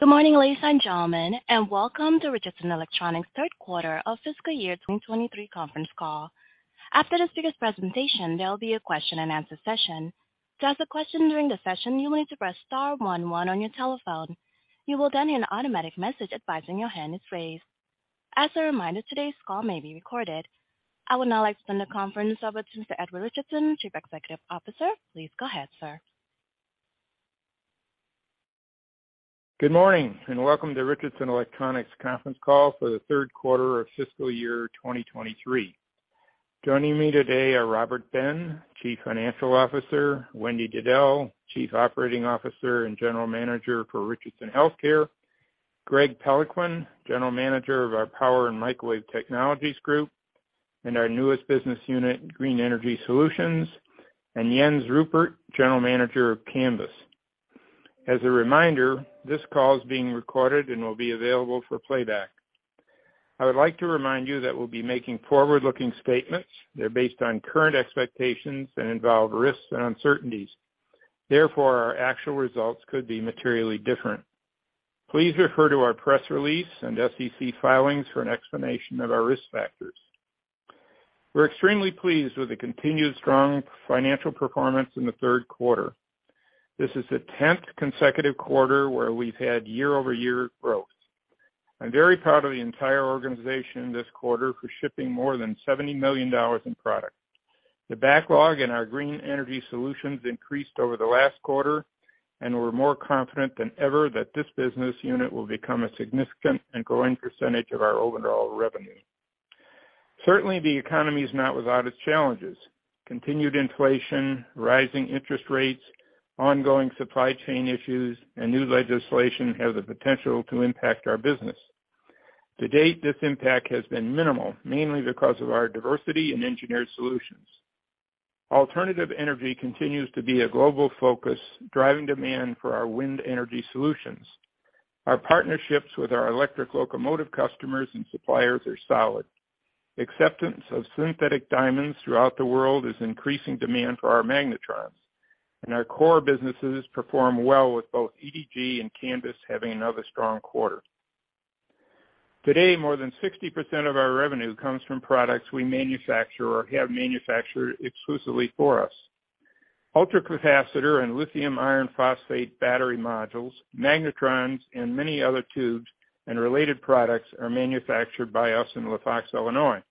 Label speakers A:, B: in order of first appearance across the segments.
A: Good morning, ladies and gentlemen. Welcome to Richardson Electronics third quarter of fiscal year 2023 conference call. After the speaker's presentation, there'll be a question-and-answer session. To ask a question during the session, you'll need to press star one one on your telephone. You will then hear an automatic message advising your hand is raised. As a reminder, today's call may be recorded. I would now like to turn the conference over to Mr. Ed Richardson, Chief Executive Officer. Please go ahead, sir.
B: Welcome to Richardson Electronics conference call for the third quarter of fiscal year 2023. Joining me today are Robert Ben, Chief Financial Officer, Wendy Diddell, Chief Operating Officer and General Manager for Richardson Healthcare, Greg Peloquin, General Manager of our Power & Microwave Technologies group, and our newest business unit, Green Energy Solutions, and Jens Ruppert, General Manager of Canvys. As a reminder, this call is being recorded and will be available for playback. I would like to remind you that we'll be making forward-looking statements. They're based on current expectations and involve risks and uncertainties. Therefore, our actual results could be materially different. Please refer to our press release and SEC filings for an explanation of our risk factors. We're extremely pleased with the continued strong financial performance in the third quarter. This is the 10th consecutive quarter where we've had year-over-year growth. I'm very proud of the entire organization this quarter for shipping more than $70 million in product. The backlog in our Green Energy Solutions increased over the last quarter. We're more confident than ever that this business unit will become a significant and growing percentage of our overall revenue. Certainly, the economy is not without its challenges. Continued inflation, rising interest rates, ongoing supply chain issues, and new legislation have the potential to impact our business. To date, this impact has been minimal, mainly because of our diversity in engineered solutions. Alternative energy continues to be a global focus, driving demand for our wind energy solutions. Our partnerships with our electric locomotive customers and suppliers are solid. Acceptance of synthetic diamonds throughout the world is increasing demand for our magnetrons, and our core businesses perform well with both EDG and Canvys having another strong quarter. Today, more than 60% of our revenue comes from products we manufacture or have manufactured exclusively for us. ultracapacitor and lithium iron phosphate battery modules, magnetrons, and many other tubes and related products are manufactured by us in LaFox, Illinois.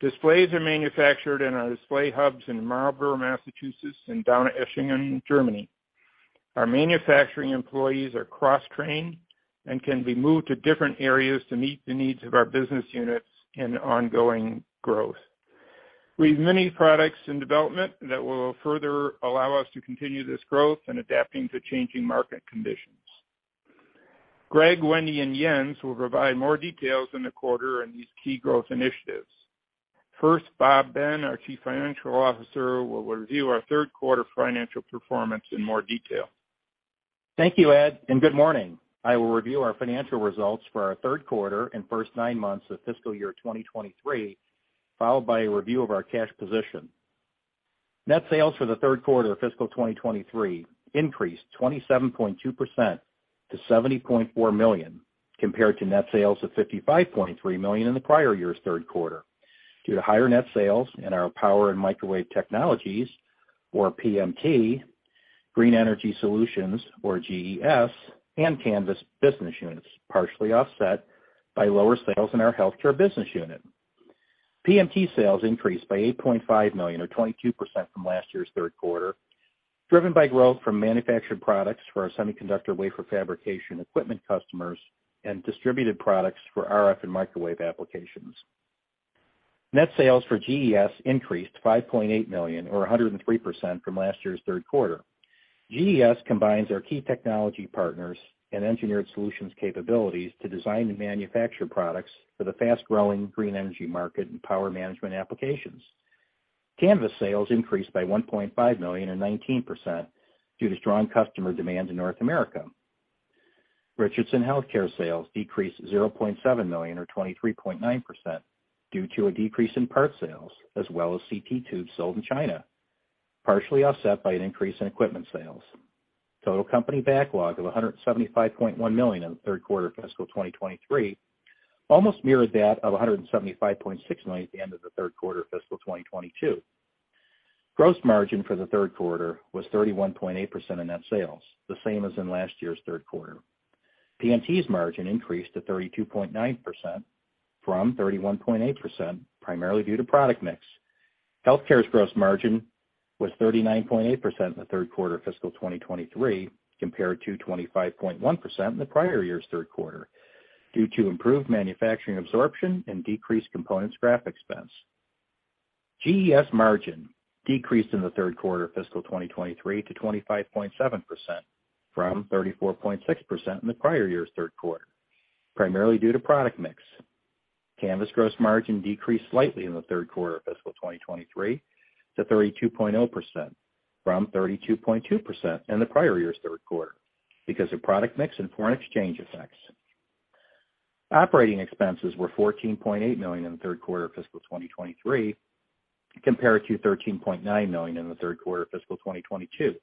B: Displays are manufactured in our display hubs in Marlborough, Massachusetts, and Donaueschingen, Germany. Our manufacturing employees are cross-trained and can be moved to different areas to meet the needs of our business units and ongoing growth. We have many products in development that will further allow us to continue this growth and adapting to changing market conditions. Greg, Wendy, and Jens will provide more details in the quarter on these key growth initiatives. First, Bob Benn, our Chief Financial Officer, will review our third quarter financial performance in more detail.
C: Thank you, Ed, and good morning. I will review our financial results for our third quarter and first nine months of fiscal year 2023, followed by a review of our cash position. Net sales for the third quarter of fiscal 2023 increased 27.2% to $70.4 million, compared to net sales of $55.3 million in the prior year's third quarter, due to higher net sales in our Power & Microwave Technologies, or PMT, Green Energy Solutions, or GES, and Canvys business units, partially offset by lower sales in our Healthcare business unit. PMT sales increased by $8.5 million, or 22% from last year's third quarter, driven by growth from manufactured products for our semiconductor wafer fabrication equipment customers and distributed products for RF and microwave applications. Net sales for GES increased $5.8 million or 103% from last year's third quarter. GES combines our key technology partners and engineered solutions capabilities to design and manufacture products for the fast-growing green energy market and power management applications. Canvys sales increased by $1.5 million or 19% due to strong customer demand in North America. Richardson Healthcare sales decreased $0.7 million or 23.9% due to a decrease in parts sales as well as CT tubes sold in China, partially offset by an increase in equipment sales. Total company backlog of $175.1 million in the third quarter of fiscal 2023 almost mirrored that of $175.6 million at the end of the third quarter of fiscal 2022. Gross margin for the third quarter was 31.8% in net sales, the same as in last year's third quarter. PMT's margin increased to 32.9% from 31.8%, primarily due to product mix. Healthcare's gross margin was 39.8% in the third quarter of fiscal 2023, compared to 25.1% in the prior year's third quarter, due to improved manufacturing absorption and decreased components scrap expense. GES margin decreased in the third quarter of fiscal 2023 to 25.7% from 34.6% in the prior year's third quarter, primarily due to product mix. Canvys gross margin decreased slightly in the third quarter of fiscal 2023 to 32.0% from 32.2% in the prior year's third quarter because of product mix and foreign exchange effects. Operating expenses were $14.8 million in the third quarter of fiscal 2023, compared to $13.9 million in the third quarter of fiscal 2022.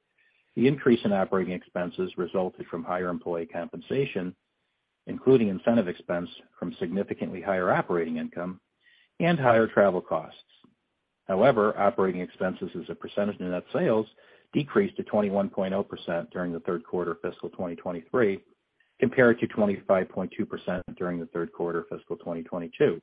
C: The increase in operating expenses resulted from higher employee compensation, including incentive expense from significantly higher operating income and higher travel costs. However, operating expenses as a percentage of net sales decreased to 21.0% during the third quarter of fiscal 2023, compared to 25.2% during the third quarter of fiscal 2022.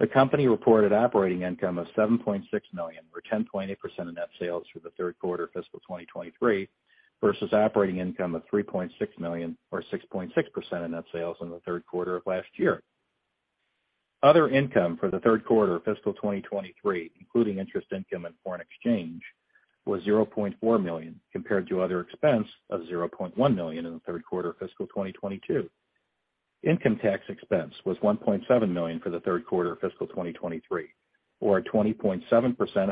C: The company reported operating income of $7.6 million, or 10.8% of net sales for the third quarter of fiscal 2023 versus operating income of $3.6 million, or 6.6% of net sales in the third quarter of last year. Other income for the third quarter of fiscal 2023, including interest income and foreign exchange, was $0.4 million, compared to other expense of $0.1 million in the third quarter of fiscal 2022. Income tax expense was $1.7 million for the third quarter of fiscal 2023, or a 20.7%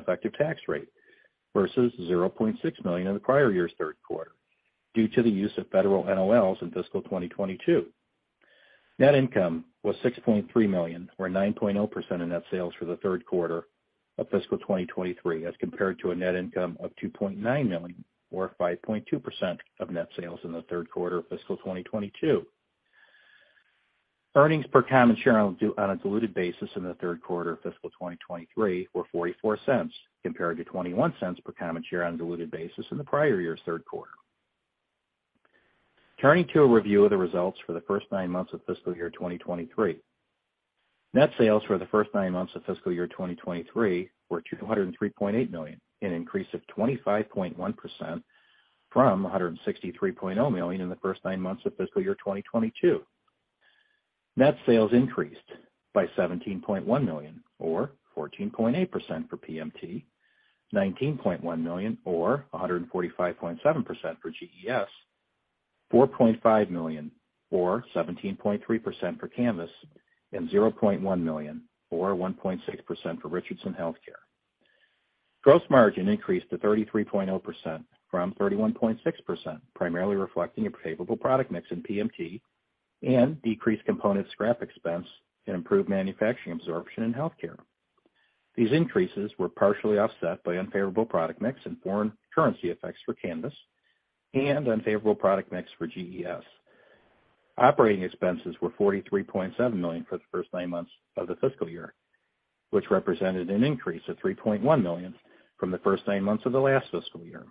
C: effective tax rate versus $0.6 million in the prior year's third quarter due to the use of federal NOLs in fiscal 2022. Net income was $6.3 million, or 9.0% of net sales for the third quarter of fiscal 2023, as compared to a net income of $2.9 million, or 5.2% of net sales in the third quarter of fiscal 2022. Earnings per common share on a diluted basis in the third quarter of fiscal 2023 were $0.44, compared to $0.21 per common share on a diluted basis in the prior year's third quarter. Turning to a review of the results for the first nine months of fiscal year 2023. Net sales for the first nine months of fiscal year 2023 were $203.8 million, an increase of 25.1% from $163.0 million in the first nine months of fiscal year 2022. Net sales increased by $17.1 million, or 14.8% for PMT, $19.1 million, or 145.7% for GES, $4.5 million, or 17.3% for Canvys, and $0.1 million, or 1.6% for Richardson Healthcare. Gross margin increased to 33.0% from 31.6%, primarily reflecting a favorable product mix in PMT and decreased component scrap expense and improved manufacturing absorption in healthcare. These increases were partially offset by unfavorable product mix and foreign currency effects for Canvys and unfavorable product mix for GES. Operating expenses were $43.7 million for the first nine months of the fiscal year, which represented an increase of $3.1 million from the first nine months of the last fiscal year.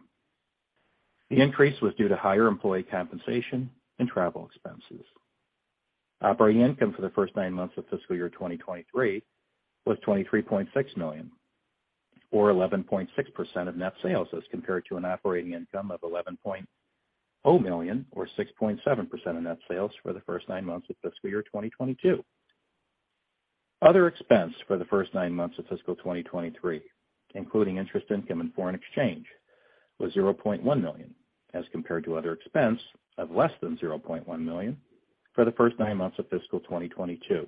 C: The increase was due to higher employee compensation and travel expenses. Operating income for the first nine months of fiscal year 2023 was $23.6 million, or 11.6% of net sales, as compared to an operating income of $11.0 million, or 6.7% of net sales for the first nine months of fiscal year 2022. Other expense for the first nine months of fiscal 2023, including interest income and foreign exchange, was $0.1 million, as compared to other expense of less than $0.1 million for the first nine months of fiscal 2022.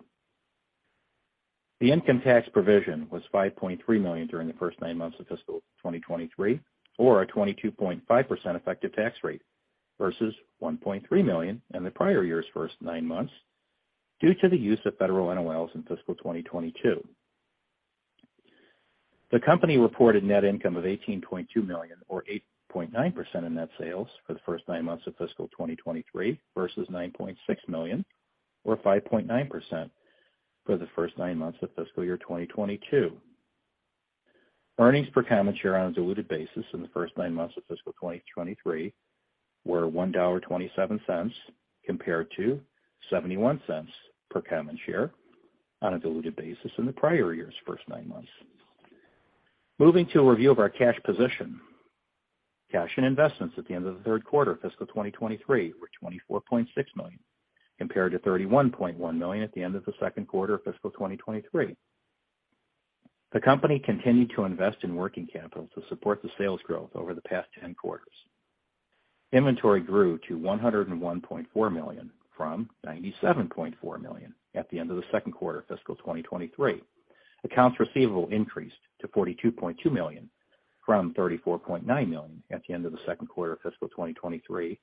C: The income tax provision was $5.3 million during the first nine months of fiscal 2023, or a 22.5% effective tax rate versus $1.3 million in the prior year's first nine months due to the use of federal NOLs in fiscal 2022. The company reported net income of $18.2 million, or 8.9% of net sales for the first nine months of fiscal 2023 versus $9.6 million or 5.9% for the first nine months of fiscal year 2022. Earnings per common share on a diluted basis in the first nine months of fiscal 2023 were $1.27 compared to $0.71 per common share on a diluted basis in the prior year's first nine months. Moving to a review of our cash position. Cash and investments at the end of the third quarter of fiscal 2023 were $24.6 million, compared to $31.1 million at the end of the second quarter of fiscal 2023. The company continued to invest in working capital to support the sales growth over the past 10 quarters. Inventory grew to $101.4 million from $97.4 million at the end of the second quarter of fiscal 2023. Accounts receivable increased to $42.2 million from $34.9 million at the end of the second quarter of fiscal 2023,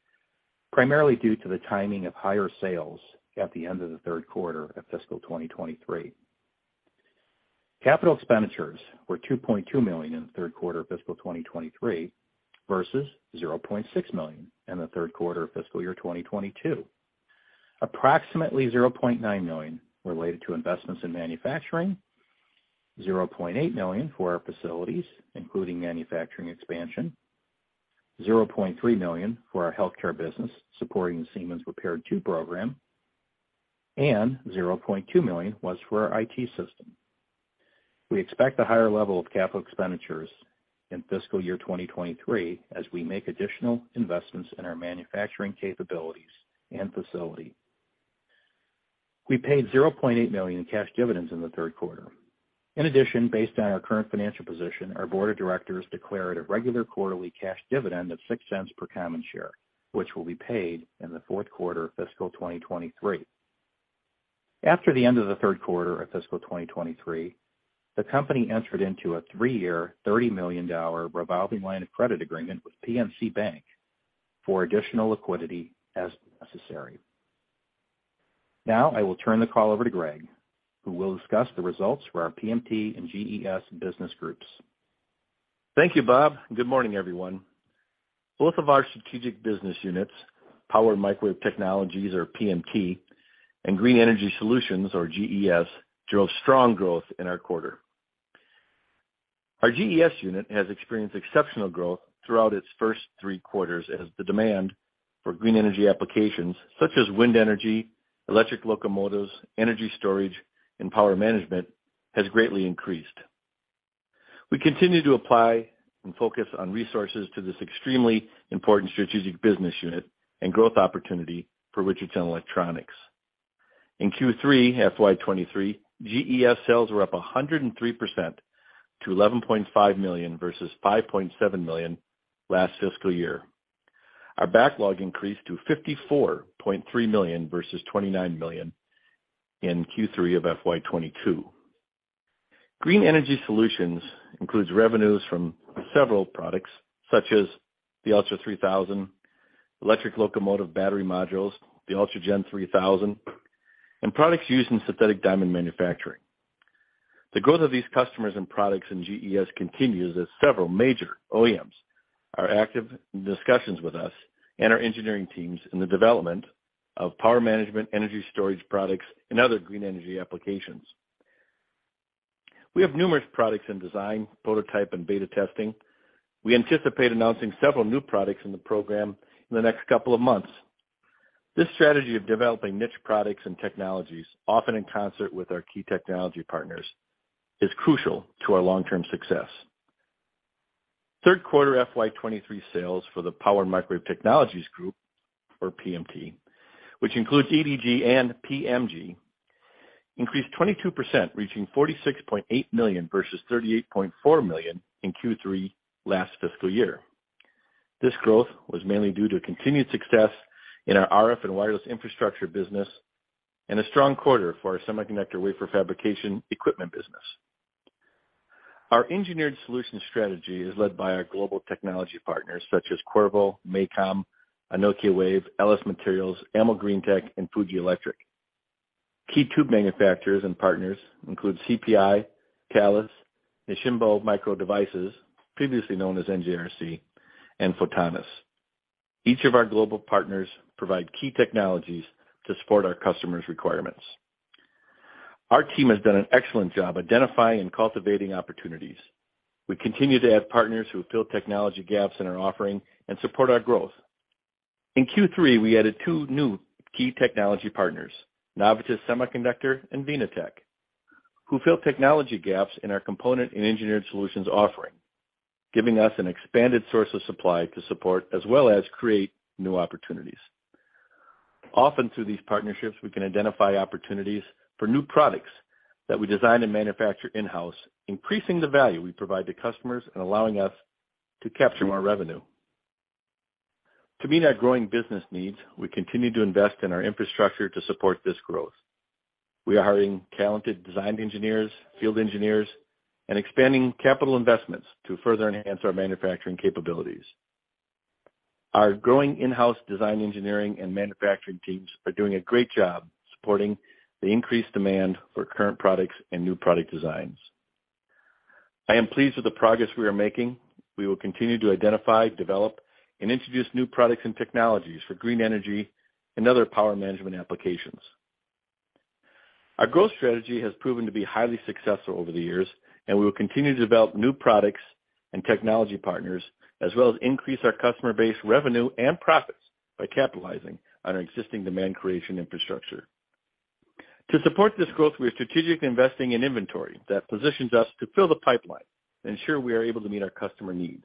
C: primarily due to the timing of higher sales at the end of the third quarter of fiscal 2023. Capital expenditures were $2.2 million in the third quarter of fiscal 2023 versus $0.6 million in the third quarter of fiscal year 2022. Approximately $0.9 million related to investments in manufacturing, $0.8 million for our facilities, including manufacturing expansion, $0.3 million for our healthcare business supporting Siemens repaired tube program, and $0.2 million was for our IT system. We expect a higher level of capital expenditures in fiscal year 2023 as we make additional investments in our manufacturing capabilities and facility. We paid $0.8 million in cash dividends in the third quarter. In addition, based on our current financial position, our board of directors declared a regular quarterly cash dividend of $0.06 per common share, which will be paid in the fourth quarter of fiscal 2023. After the end of the third quarter of fiscal 2023, the company entered into a 3-year $30 million revolving line of credit agreement with PNC Bank for additional liquidity as necessary. Now I will turn the call over to Greg, who will discuss the results for our PMT and GES business groups.
D: Thank you, Bob. Good morning, everyone. Both of our strategic business units, Power & Microwave Technologies, or PMT, and Green Energy Solutions, or GES, drove strong growth in our quarter. Our GES unit has experienced exceptional growth throughout its first three quarters as the demand for green energy applications such as wind energy, electric locomotives, energy storage, and power management has greatly increased. We continue to apply and focus on resources to this extremely important strategic business unit and growth opportunity for Richardson Electronics. In Q3 FY2023, GES sales were up 103% to $11.5 million versus $5.7 million last fiscal year. Our backlog increased to $54.3 million versus $29 million in Q3 of FY2022. Green Energy Solutions includes revenues from several products, such as the ULTRA3000, electric locomotive battery modules, the ULTRAGEN3000, and products used in synthetic diamond manufacturing. The growth of these customers and products in GES continues as several major OEMs are active in discussions with us and our engineering teams in the development of power management, energy storage products, and other green energy applications. We have numerous products in design, prototype, and beta testing. We anticipate announcing several new products in the program in the next couple of months. This strategy of developing niche products and technologies, often in concert with our key technology partners, is crucial to our long-term success. Third quarter FY 23 sales for the Power & Microwave Technologies group, or PMT, which includes EDG and PMG, increased 22%, reaching $46.8 million versus $38.4 million in Q3 last fiscal year. This growth was mainly due to continued success in our RF and wireless infrastructure business and a strong quarter for our semiconductor wafer fabrication equipment business. Our engineered solutions strategy is led by our global technology partners, such as Qorvo, MACOM, Anokiwave, LS Mtron, AMOGREENTECH, and Fuji Electric. Key tube manufacturers and partners include CPI, Thales, Nisshinbo Micro Devices, previously known as NJR, and Photonis. Each of our global partners provide key technologies to support our customers' requirements. Our team has done an excellent job identifying and cultivating opportunities. We continue to add partners who fill technology gaps in our offering and support our growth. In Q3, we added two new key technology partners, Navitas Semiconductor and VINATech, who fill technology gaps in our component and engineered solutions offering, giving us an expanded source of supply to support as well as create new opportunities. Often through these partnerships, we can identify opportunities for new products that we design and manufacture in-house, increasing the value we provide to customers and allowing us to capture more revenue. To meet our growing business needs, we continue to invest in our infrastructure to support this growth. We are hiring talented design engineers, field engineers, and expanding capital investments to further enhance our manufacturing capabilities. Our growing in-house design engineering and manufacturing teams are doing a great job supporting the increased demand for current products and new product designs. I am pleased with the progress we are making. We will continue to identify, develop, and introduce new products and technologies for green energy and other power management applications. Our growth strategy has proven to be highly successful over the years, we will continue to develop new products and technology partners, as well as increase our customer base revenue and profits by capitalizing on our existing demand creation infrastructure. To support this growth, we are strategically investing in inventory that positions us to fill the pipeline and ensure we are able to meet our customer needs.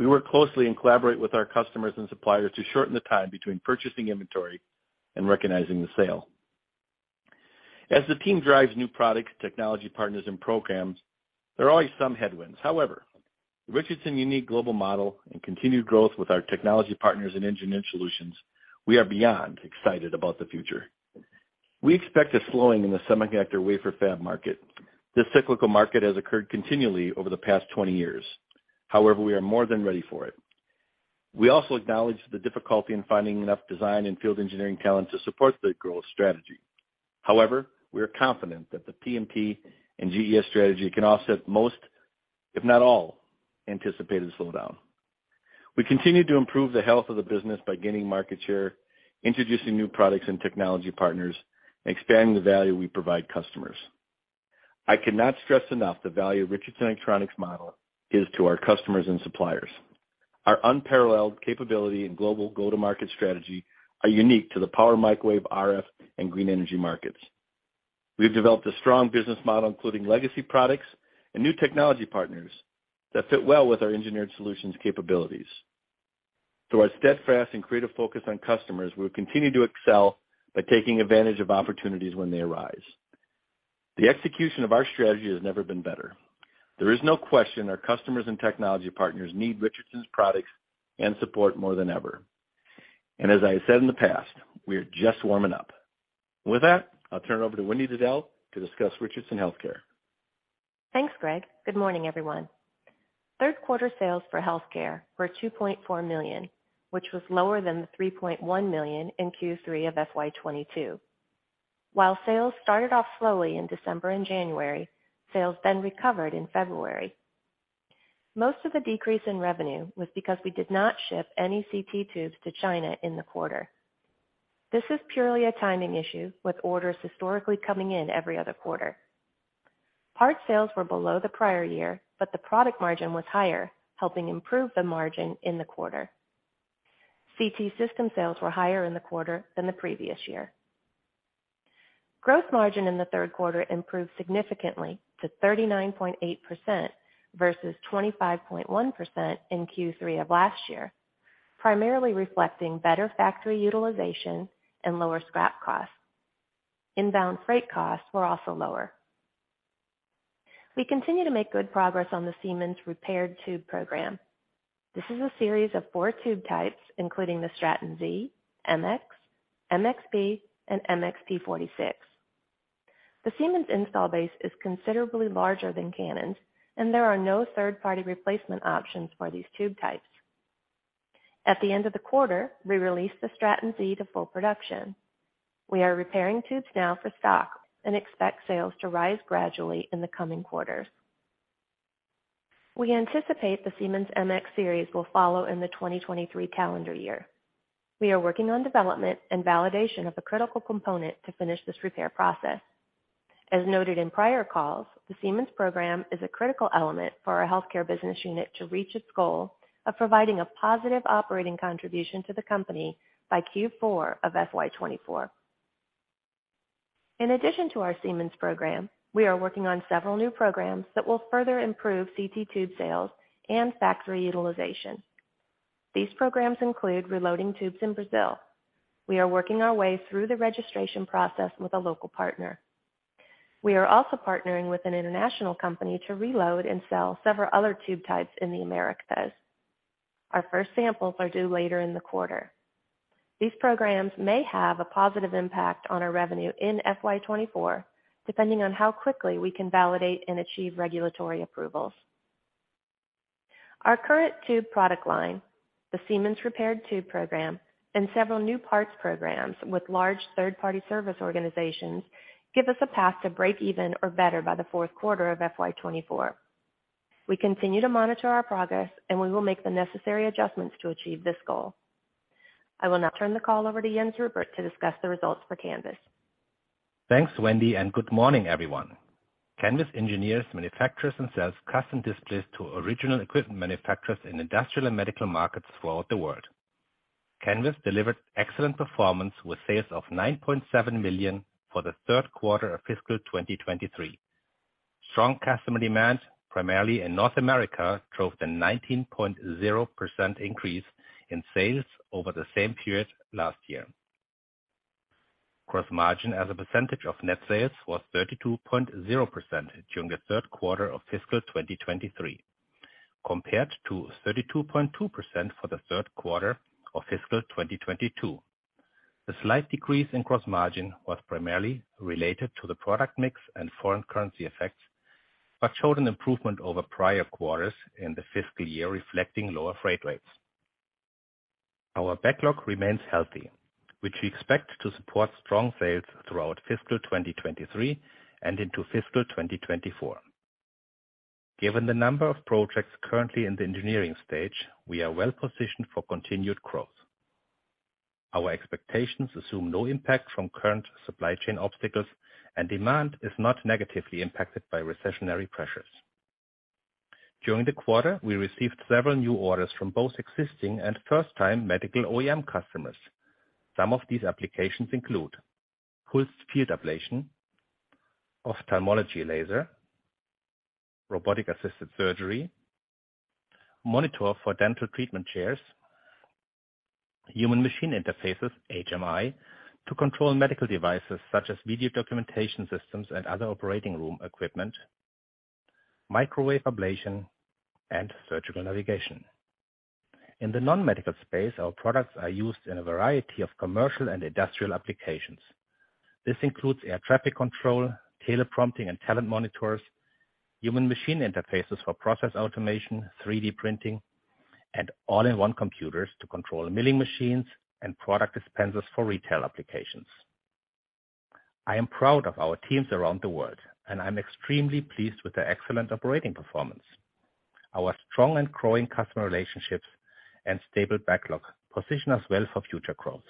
D: We work closely and collaborate with our customers and suppliers to shorten the time between purchasing inventory and recognizing the sale. As the team drives new product technology partners and programs, there are always some headwinds. However, with Richardson unique global model and continued growth with our technology partners in engineered solutions, we are beyond excited about the future. We expect a slowing in the semiconductor wafer fab market. This cyclical market has occurred continually over the past 20 years. We are more than ready for it. We also acknowledge the difficulty in finding enough design and field engineering talent to support the growth strategy. We are confident that the PMG and GES strategy can offset most, if not all, anticipated slowdown. We continue to improve the health of the business by gaining market share, introducing new products and technology partners, and expanding the value we provide customers. I cannot stress enough the value of Richardson Electronics' model is to our customers and suppliers. Our unparalleled capability and global go-to-market strategy are unique to the power microwave, RF, and green energy markets. We've developed a strong business model, including legacy products and new technology partners that fit well with our engineered solutions capabilities. Through our steadfast and creative focus on customers, we will continue to excel by taking advantage of opportunities when they arise. The execution of our strategy has never been better. There is no question our customers and technology partners need Richardson's products and support more than ever. As I have said in the past, we are just warming up. With that, I'll turn it over to Wendy Diddell to discuss Richardson Healthcare.
E: Thanks, Greg. Good morning, everyone. Third quarter sales for Healthcare were $2.4 million, which was lower than the $3.1 million in Q3 of FY22. While sales started off slowly in December and January, sales recovered in February. Most of the decrease in revenue was because we did not ship any CT tubes to China in the quarter. This is purely a timing issue, with orders historically coming in every other quarter. Part sales were below the prior year, the product margin was higher, helping improve the margin in the quarter. CT system sales were higher in the quarter than the previous year. Gross margin in the third quarter improved significantly to 39.8% versus 25.1% in Q3 of last year, primarily reflecting better factory utilization and lower scrap costs. Inbound freight costs were also lower. We continue to make good progress on the Siemens repaired tube program. This is a series of four tube types, including the Straton Z, MX, MXP, and MXP 46. The Siemens install base is considerably larger than Canon's, and there are no third-party replacement options for these tube types. At the end of the quarter, we released the Straton Z to full production. We are repairing tubes now for stock and expect sales to rise gradually in the coming quarters. We anticipate the Siemens MX series will follow in the 2023 calendar year. We are working on development and validation of a critical component to finish this repair process. As noted in prior calls, the Siemens program is a critical element for our healthcare business unit to reach its goal of providing a positive operating contribution to the company by Q4 of FY 2024. In addition to our Siemens program, we are working on several new programs that will further improve CT tube sales and factory utilization. These programs include reloading tubes in Brazil. We are working our way through the registration process with a local partner. We are also partnering with an international company to reload and sell several other tube types in the Americas. Our first samples are due later in the quarter. These programs may have a positive impact on our revenue in FY 2024, depending on how quickly we can validate and achieve regulatory approvals. Our current tube product line, the Siemens repaired tube program, and several new parts programs with large third-party service organizations give us a path to break even or better by the fourth quarter of FY 2024. We continue to monitor our progress, and we will make the necessary adjustments to achieve this goal. I will now turn the call over to Jens Ruppert to discuss the results for Canvys.
F: Thanks, Wendy. Good morning, everyone. Canvys engineers, manufacturers, and sells custom displays to original equipment manufacturers in industrial and medical markets throughout the world. Canvys delivered excellent performance with sales of $9.7 million for the third quarter of fiscal 2023. Strong customer demand, primarily in North America, drove the 19.0% increase in sales over the same period last year. Gross margin as a percentage of net sales was 32.0% during the third quarter of fiscal 2023, compared to 32.2% for the third quarter of fiscal 2022. The slight decrease in gross margin was primarily related to the product mix and foreign currency effects, but showed an improvement over prior quarters in the fiscal year, reflecting lower freight rates. Our backlog remains healthy, which we expect to support strong sales throughout fiscal 2023 and into fiscal 2024. Given the number of projects currently in the engineering stage, we are well positioned for continued growth. Our expectations assume no impact from current supply chain obstacles and demand is not negatively impacted by recessionary pressures. During the quarter, we received several new orders from both existing and first-time medical OEM customers. Some of these applications include pulsed field ablation, ophthalmology laser, robotic-assisted surgery, monitor for dental treatment chairs, human machine interfaces, HMI, to control medical devices such as video documentation systems and other operating room equipment, microwave ablation, and surgical navigation. In the non-medical space, our products are used in a variety of commercial and industrial applications. This includes air traffic control, teleprompting and talent monitors, human machine interfaces for process automation, 3D printing, and all-in-one computers to control milling machines and product dispensers for retail applications. I am proud of our teams around the world, and I'm extremely pleased with their excellent operating performance. Our strong and growing customer relationships and stable backlog position us well for future growth.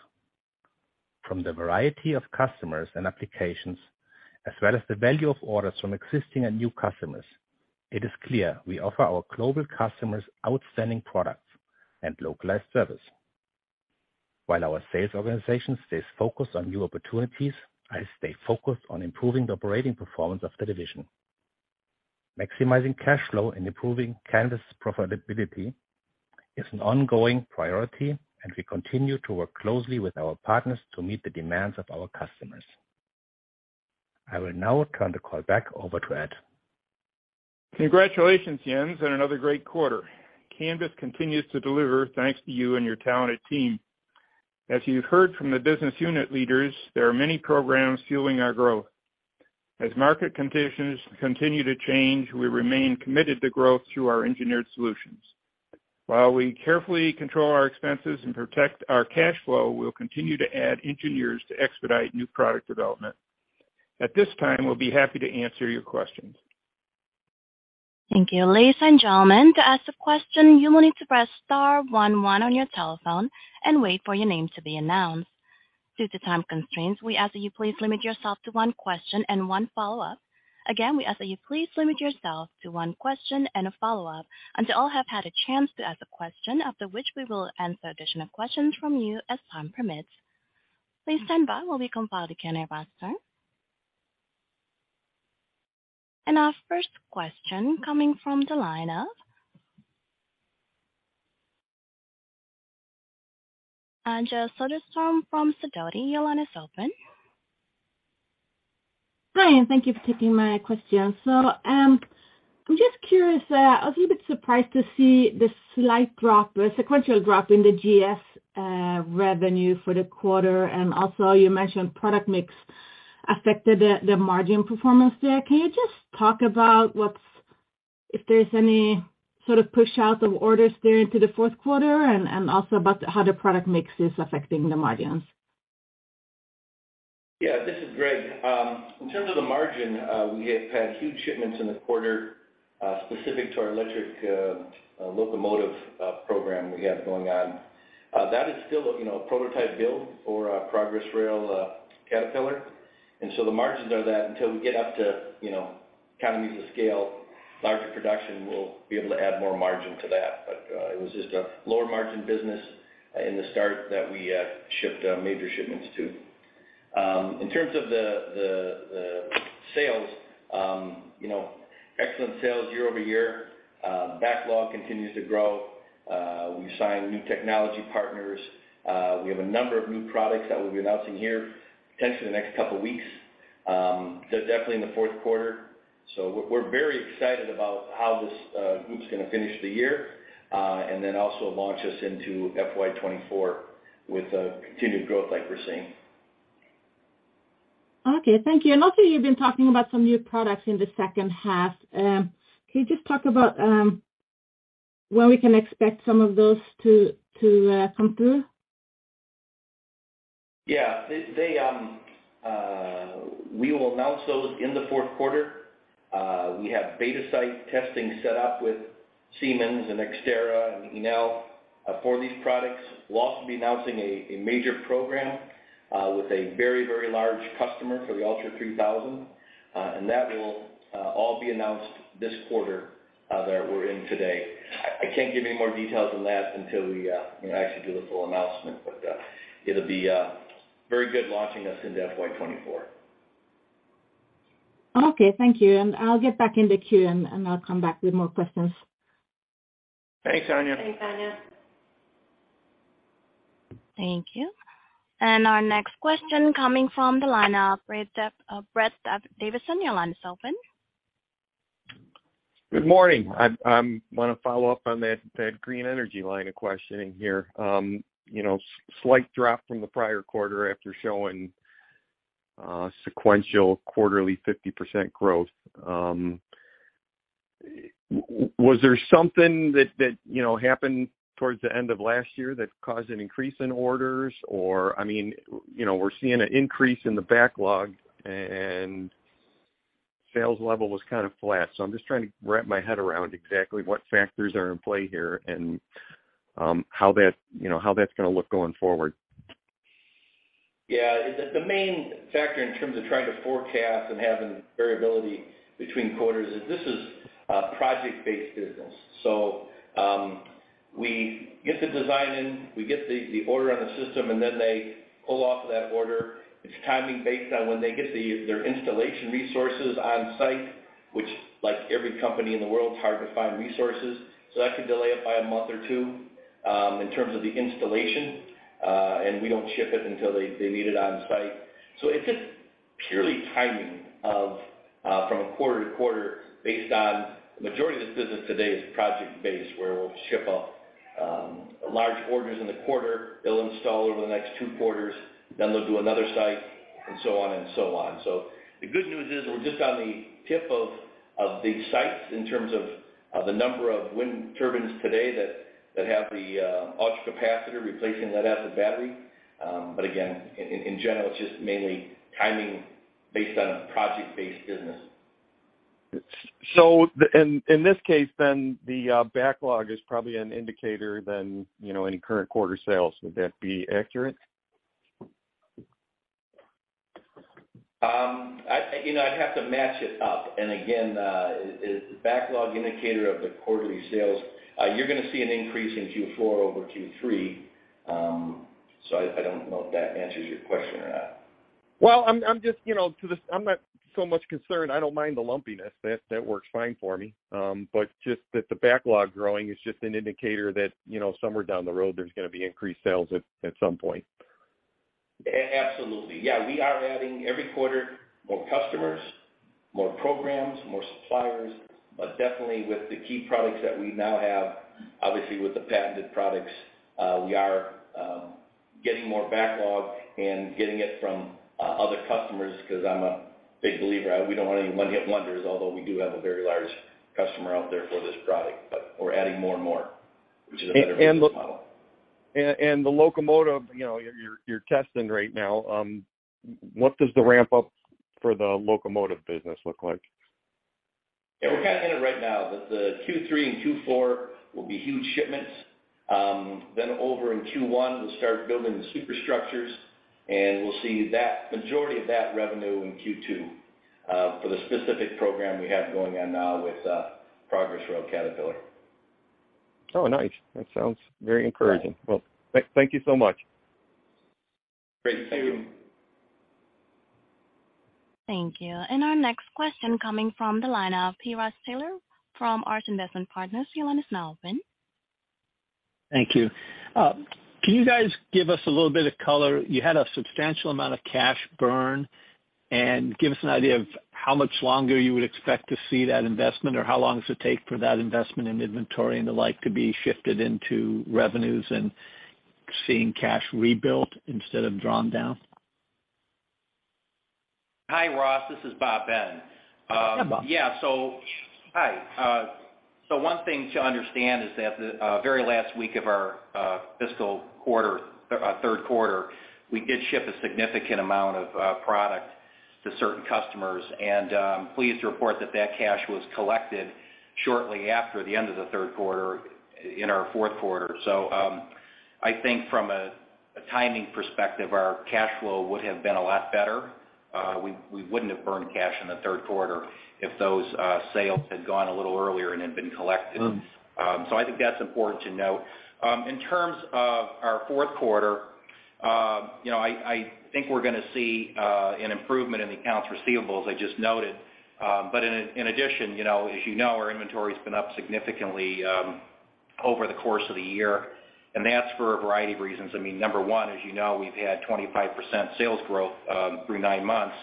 F: From the variety of customers and applications, as well as the value of orders from existing and new customers, it is clear we offer our global customers outstanding products and localized service. While our sales organization stays focused on new opportunities, I stay focused on improving the operating performance of the division. Maximizing cash flow and improving Canvys profitability is an ongoing priority, and we continue to work closely with our partners to meet the demands of our customers. I will now turn the call back over to Ed.
B: Congratulations, Jens, on another great quarter. Canvys continues to deliver thanks to you and your talented team. As you heard from the business unit leaders, there are many programs fueling our growth. As market conditions continue to change, we remain committed to growth through our engineered solutions. While we carefully control our expenses and protect our cash flow, we'll continue to add engineers to expedite new product development. At this time, we'll be happy to answer your questions.
A: Thank you. Ladies and gentlemen, to ask a question, you will need to press star one one on your telephone and wait for your name to be announced. Due to time constraints, we ask that you please limit yourself to one question and one follow-up. Again, we ask that you please limit yourself to one question and a follow-up until all have had a chance to ask a question, after which we will answer additional questions from you as time permits. Please stand by while we compile the Q&A roster. Our first question coming from the line of Anja Soderstrom from Sidoti. Your line is open.
G: Hi, and thank you for taking my question. I'm just curious. I was a little bit surprised to see the slight drop, the sequential drop in the GES revenue for the quarter. You mentioned product mix affected the margin performance there. Can you just talk about if there's any sort of push out of orders there into the fourth quarter and also about how the product mix is affecting the margins?
D: Yeah, this is Greg. In terms of the margin, we have had huge shipments in the quarter, specific to our electric locomotive program we have going on. That is still, you know, a prototype build for Progress Rail, Caterpillar. The margins are that until we get up to, you know, economies of scale, larger production, we'll be able to add more margin to that. It was just a lower margin business in the start that we shipped major shipments to. In terms of the sales, you know, excellent sales year-over-year. Backlog continues to grow. We signed new technology partners. We have a number of new products that we'll be announcing here potentially in the next couple weeks, definitely in the fourth quarter. We're very excited about how this group's gonna finish the year, and then also launch us into FY 24 with continued growth like we're seeing.
G: Okay. Thank you. Also, you've been talking about some new products in the second half. Can you just talk about when we can expect some of those to come through?
D: Yeah. They, we will announce those in the fourth quarter. We have beta site testing set up with Siemens and Xtera and Enel, for these products. We'll also be announcing a major program, with a very large customer for the ULTRA3000. That will all be announced this quarter, that we're in today. I can't give any more details than that until we, you know, actually do the full announcement, but it'll be very good launching us into FY 2024.
G: Okay, thank you. I'll get back in the queue, and I'll come back with more questions.
D: Thanks, Anja.
F: Thanks, Anja.
A: Thank you. Our next question coming from the line of Brett Davidson, your line is open.
H: Good morning. I wanna follow up on that green energy line of questioning here. You know, slight drop from the prior quarter after showing sequential quarterly 50% growth. Was there something that, you know, happened towards the end of last year that caused an increase in orders? I mean, you know, we're seeing an increase in the backlog and sales level was kind of flat. I'm just trying to wrap my head around exactly what factors are in play here and how that, you know, how that's gonna look going forward.
D: The main factor in terms of trying to forecast and having variability between quarters is this is a project-based business. We get the design in, we get the order on the system, they pull off that order. It's timing based on when they get their installation resources on site, which like every company in the world, it's hard to find resources. That could delay it by a month or two in terms of the installation, and we don't ship it until they need it on site. It's just purely timing of from a quarter to quarter based on the majority of the business today is project-based, where we'll ship a large orders in the quarter, they'll install over the next two quarters, they'll do another site, and so on and so on. The good news is we're just on the tip of these sites in terms of the number of wind turbines today that have the ultracapacitor replacing lead-acid battery. Again, in general, it's just mainly timing based on a project-based business.
H: In this case, then the backlog is probably an indicator than, you know, any current quarter sales. Would that be accurate?
D: You know, I'd have to match it up. Again, is backlog indicator of the quarterly sales, you're gonna see an increase in Q4 over Q3. I don't know if that answers your question or not.
H: Well, I'm just, you know, I'm not so much concerned. I don't mind the lumpiness. That works fine for me. Just that the backlog growing is just an indicator that, you know, somewhere down the road there's gonna be increased sales at some point.
C: Absolutely. Yeah, we are adding every quarter more customers, more programs, more suppliers. Definitely with the key products that we now have, obviously with the patented products, we are getting more backlog and getting it from other customers because I'm a big believer. We don't want any one-hit wonders, although we do have a very large customer out there for this product. We're adding more and more, which is a better business model.
H: The locomotive, you know, you're testing right now, what does the ramp up for the locomotive business look like?
C: Yeah, we're kind of in it right now, but the Q3 and Q4 will be huge shipments. In Q1, we'll start building the superstructures, and we'll see that majority of that revenue in Q2 for the specific program we have going on now with Progress Rail Caterpillar.
H: Oh, nice. That sounds very encouraging.
C: Yeah.
H: Well, thank you so much.
C: Great. Thank you.
A: Thank you. Our next question coming from the line of P. Ross Taylor from ARS Investment Partners. Your line is now open.
I: Thank you. Can you guys give us a little bit of color? You had a substantial amount of cash burn. Give us an idea of how much longer you would expect to see that investment, or how long does it take for that investment in inventory and the like to be shifted into revenues and seeing cash rebuilt instead of drawn down?
C: Hi, Ross, this is Bob Benn.
I: Hi, Bob.
C: Yeah, so, hi. One thing to understand is that the very last week of our fiscal quarter, third quarter, we did ship a significant amount of product to certain customers. Pleased to report that that cash was collected shortly after the end of the third quarter in our fourth quarter. I think from a timing perspective, our cash flow would have been a lot better. We wouldn't have burned cash in the third quarter if those sales had gone a little earlier and had been collected.
I: Mm-hmm.
C: I think that's important to note. In terms of our fourth quarter, you know, I think we're gonna see an improvement in the accounts receivables, I just noted. In addition, you know, as you know, our inventory's been up significantly over the course of the year, and that's for a variety of reasons. I mean, number one, as you know, we've had 25% sales growth through 9 months.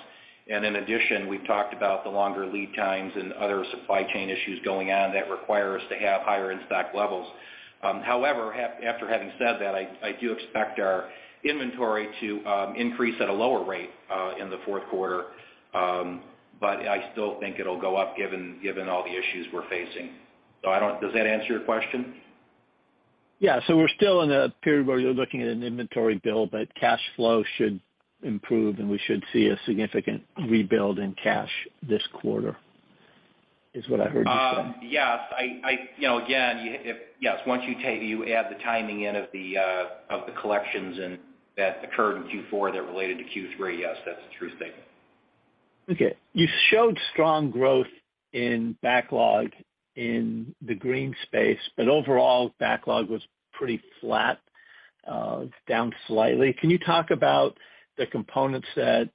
C: In addition, we've talked about the longer lead times and other supply chain issues going on that require us to have higher in-stock levels. However, after having said that, I do expect our inventory to increase at a lower rate in the fourth quarter. I still think it'll go up given all the issues we're facing. I don't... Does that answer your question?
I: Yeah. We're still in a period where you're looking at an inventory build, but cash flow should improve, and we should see a significant rebuild in cash this quarter, is what I heard you say?
C: Yes. You know, again, Yes, once you add the timing in of the collections and that occurred in Q4 that related to Q3, yes, that's a true statement.
I: Okay. You showed strong growth in backlog in the green space, overall backlog was pretty flat, down slightly. Can you talk about the components that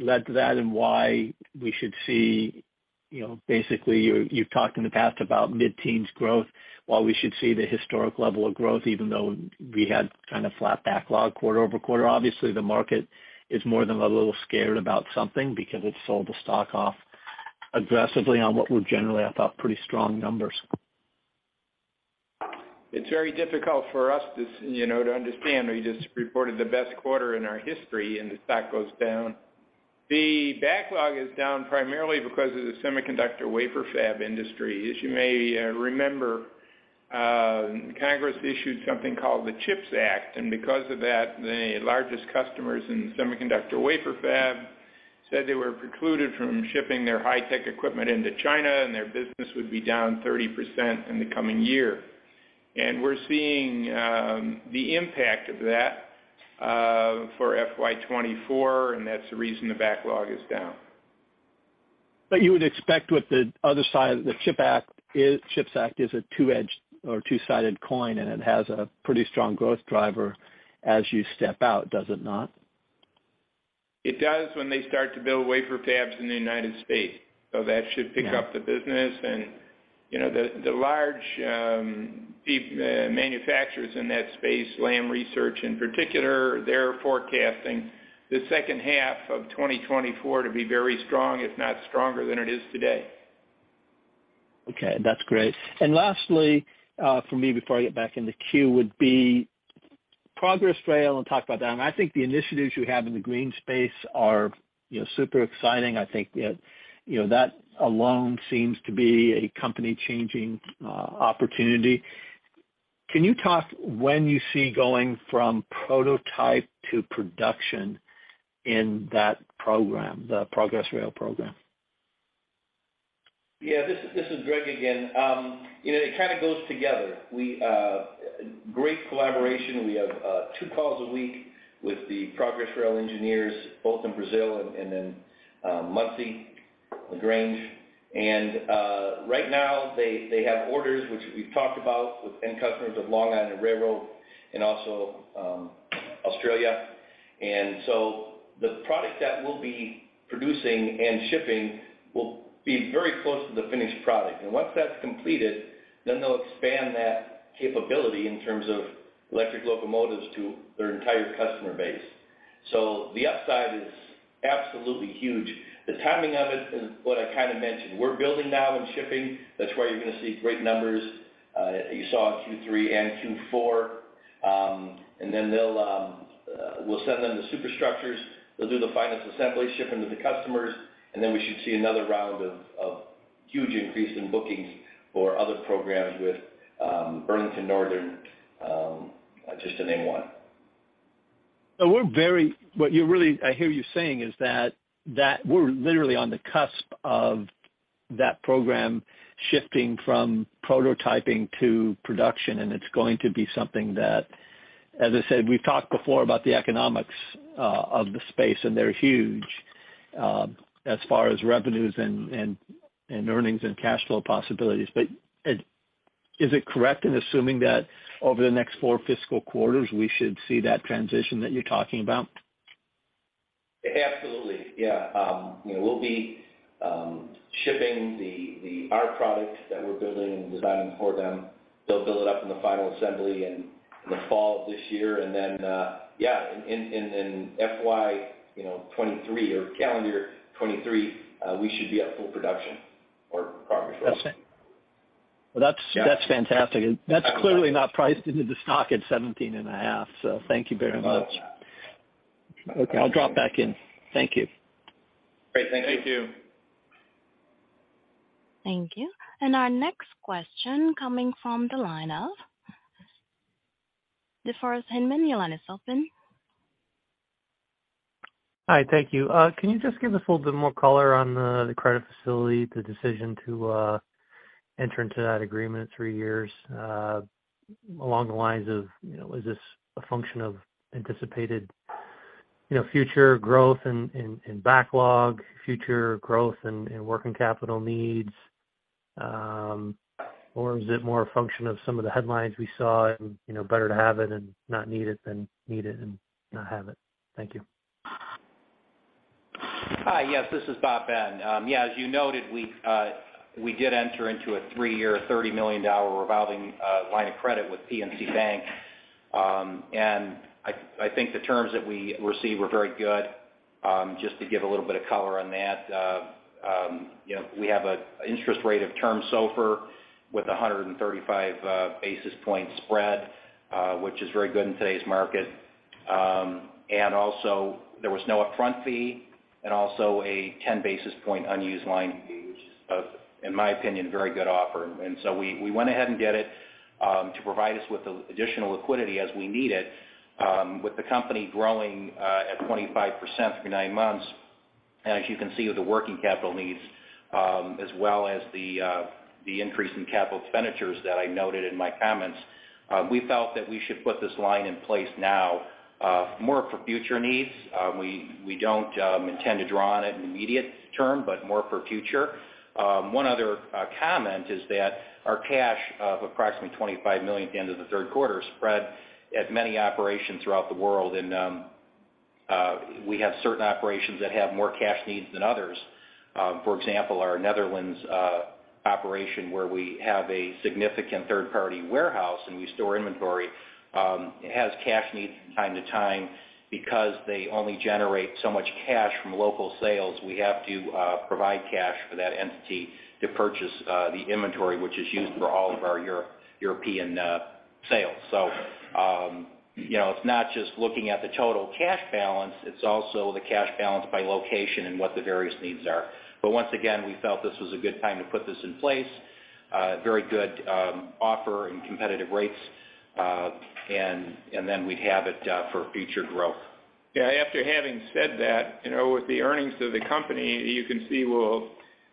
I: led to that and why we should see, you know, basically you've talked in the past about mid-teens growth, while we should see the historic level of growth, even though we had kind of flat backlog quarter-over-quarter. Obviously, the market is more than a little scared about something because it sold the stock off aggressively on what were generally, I thought, pretty strong numbers.
B: It's very difficult for us to you know, to understand. We just reported the best quarter in our history and the stock goes down. The backlog is down primarily because of the semiconductor wafer fab industry. As you may remember, Congress issued something called the CHIPS Act, and because of that, the largest customers in the semiconductor wafer fab said they were precluded from shipping their high-tech equipment into China and their business would be down 30% in the coming year. We're seeing the impact of that for FY 2024, and that's the reason the backlog is down.
I: You would expect with the other side of the CHIPS Act is a two-edged or two-sided coin, and it has a pretty strong growth driver as you step out, does it not?
B: It does when they start to build wafer fabs in the United States. That should pick up the business and, you know, the large manufacturers in that space, Lam Research in particular, they're forecasting the second half of 2024 to be very strong, if not stronger than it is today.
I: Okay, that's great. Lastly, for me before I get back in the queue, would be Progress Rail and talk about that. I think the initiatives you have in the green space are, you know, super exciting. I think, you know, that alone seems to be a company-changing opportunity. Can you talk when you see going from prototype to production in that program, the Progress Rail program?
D: Yeah. This is Greg again. You know, it kind of goes together. Great collaboration. We have two calls a week with the Progress Rail engineers, both in Brazil and in Muncie.LaGrange. Right now they have orders which we've talked about with end customers of Long Island Railroad and also Australia. The product that we'll be producing and shipping will be very close to the finished product. Once that's completed, they'll expand that capability in terms of electric locomotives to their entire customer base. The upside is absolutely huge. The timing of it is what I kind of mentioned. We're building now and shipping. That's why you're going to see great numbers, you saw in Q3 and Q4. Then we'll send them the superstructures. They'll do the final assembly, ship them to the customers, and then we should see another round of huge increase in bookings for other programs with Burlington Northern, just to name one.
I: I hear you saying is that we're literally on the cusp of that program shifting from prototyping to production, and it's going to be something that, as I said, we've talked before about the economics of the space, and they're huge as far as revenues and earnings and cash flow possibilities. Is it correct in assuming that over the next four fiscal quarters, we should see that transition that you're talking about?
D: Absolutely. Yeah. You know, we'll be shipping our products that we're building and designing for them. They'll build it up in the final assembly in the fall of this year. In FY, you know, 23 or calendar 23, we should be at full production or progress.
I: That's it. Well.
D: Yeah.
I: That's fantastic.
D: Absolutely.
I: That's clearly not priced into the stock at seventeen and a half, so thank you very much.
D: No.
I: Okay, I'll drop back in. Thank you.
D: Great. Thank you.
B: Thank you.
J: Thank you. Our next question coming from the line of Hafeez Himani. Your line is open. Hi. Thank you. Can you just give us a little bit more color on the credit facility, the decision to enter into that agreement 3 years along the lines of, you know, is this a function of anticipated, you know, future growth and backlog, future growth and working capital needs? Or is it more a function of some of the headlines we saw and, you know, better to have it and not need it than need it and not have it? Thank you.
C: Hi. Yes, this is Bob Benn. As you noted, we've, we did enter into a three-year, $30 million revolving line of credit with PNC Bank. I think the terms that we received were very good. Just to give a little bit of color on that. You know, we have a interest rate of term SOFR with a 135 basis point spread, which is very good in today's market. Also, there was no upfront fee and also a 10 basis point unused line fee, which is, in my opinion, a very good offer. We went ahead and did it to provide us with the additional liquidity as we need it, with the company growing at 25% for nine months. As you can see with the working capital needs, as well as the increase in capital expenditures that I noted in my comments, we felt that we should put this line in place now, more for future needs. We, we don't intend to draw on it in the immediate term, but more for future. One other comment is that our cash of approximately $25 million at the end of the third quarter spread at many operations throughout the world. We have certain operations that have more cash needs than others. For example, our Netherlands operation, where we have a significant third-party warehouse and we store inventory, it has cash needs from time to time. Because they only generate so much cash from local sales, we have to provide cash for that entity to purchase the inventory, which is used for all of our European sales. You know, it's not just looking at the total cash balance, it's also the cash balance by location and what the various needs are. Once again, we felt this was a good time to put this in place. Very good offer and competitive rates, and then we'd have it for future growth.
B: Yeah. After having said that, you know, with the earnings of the company, you can see we'll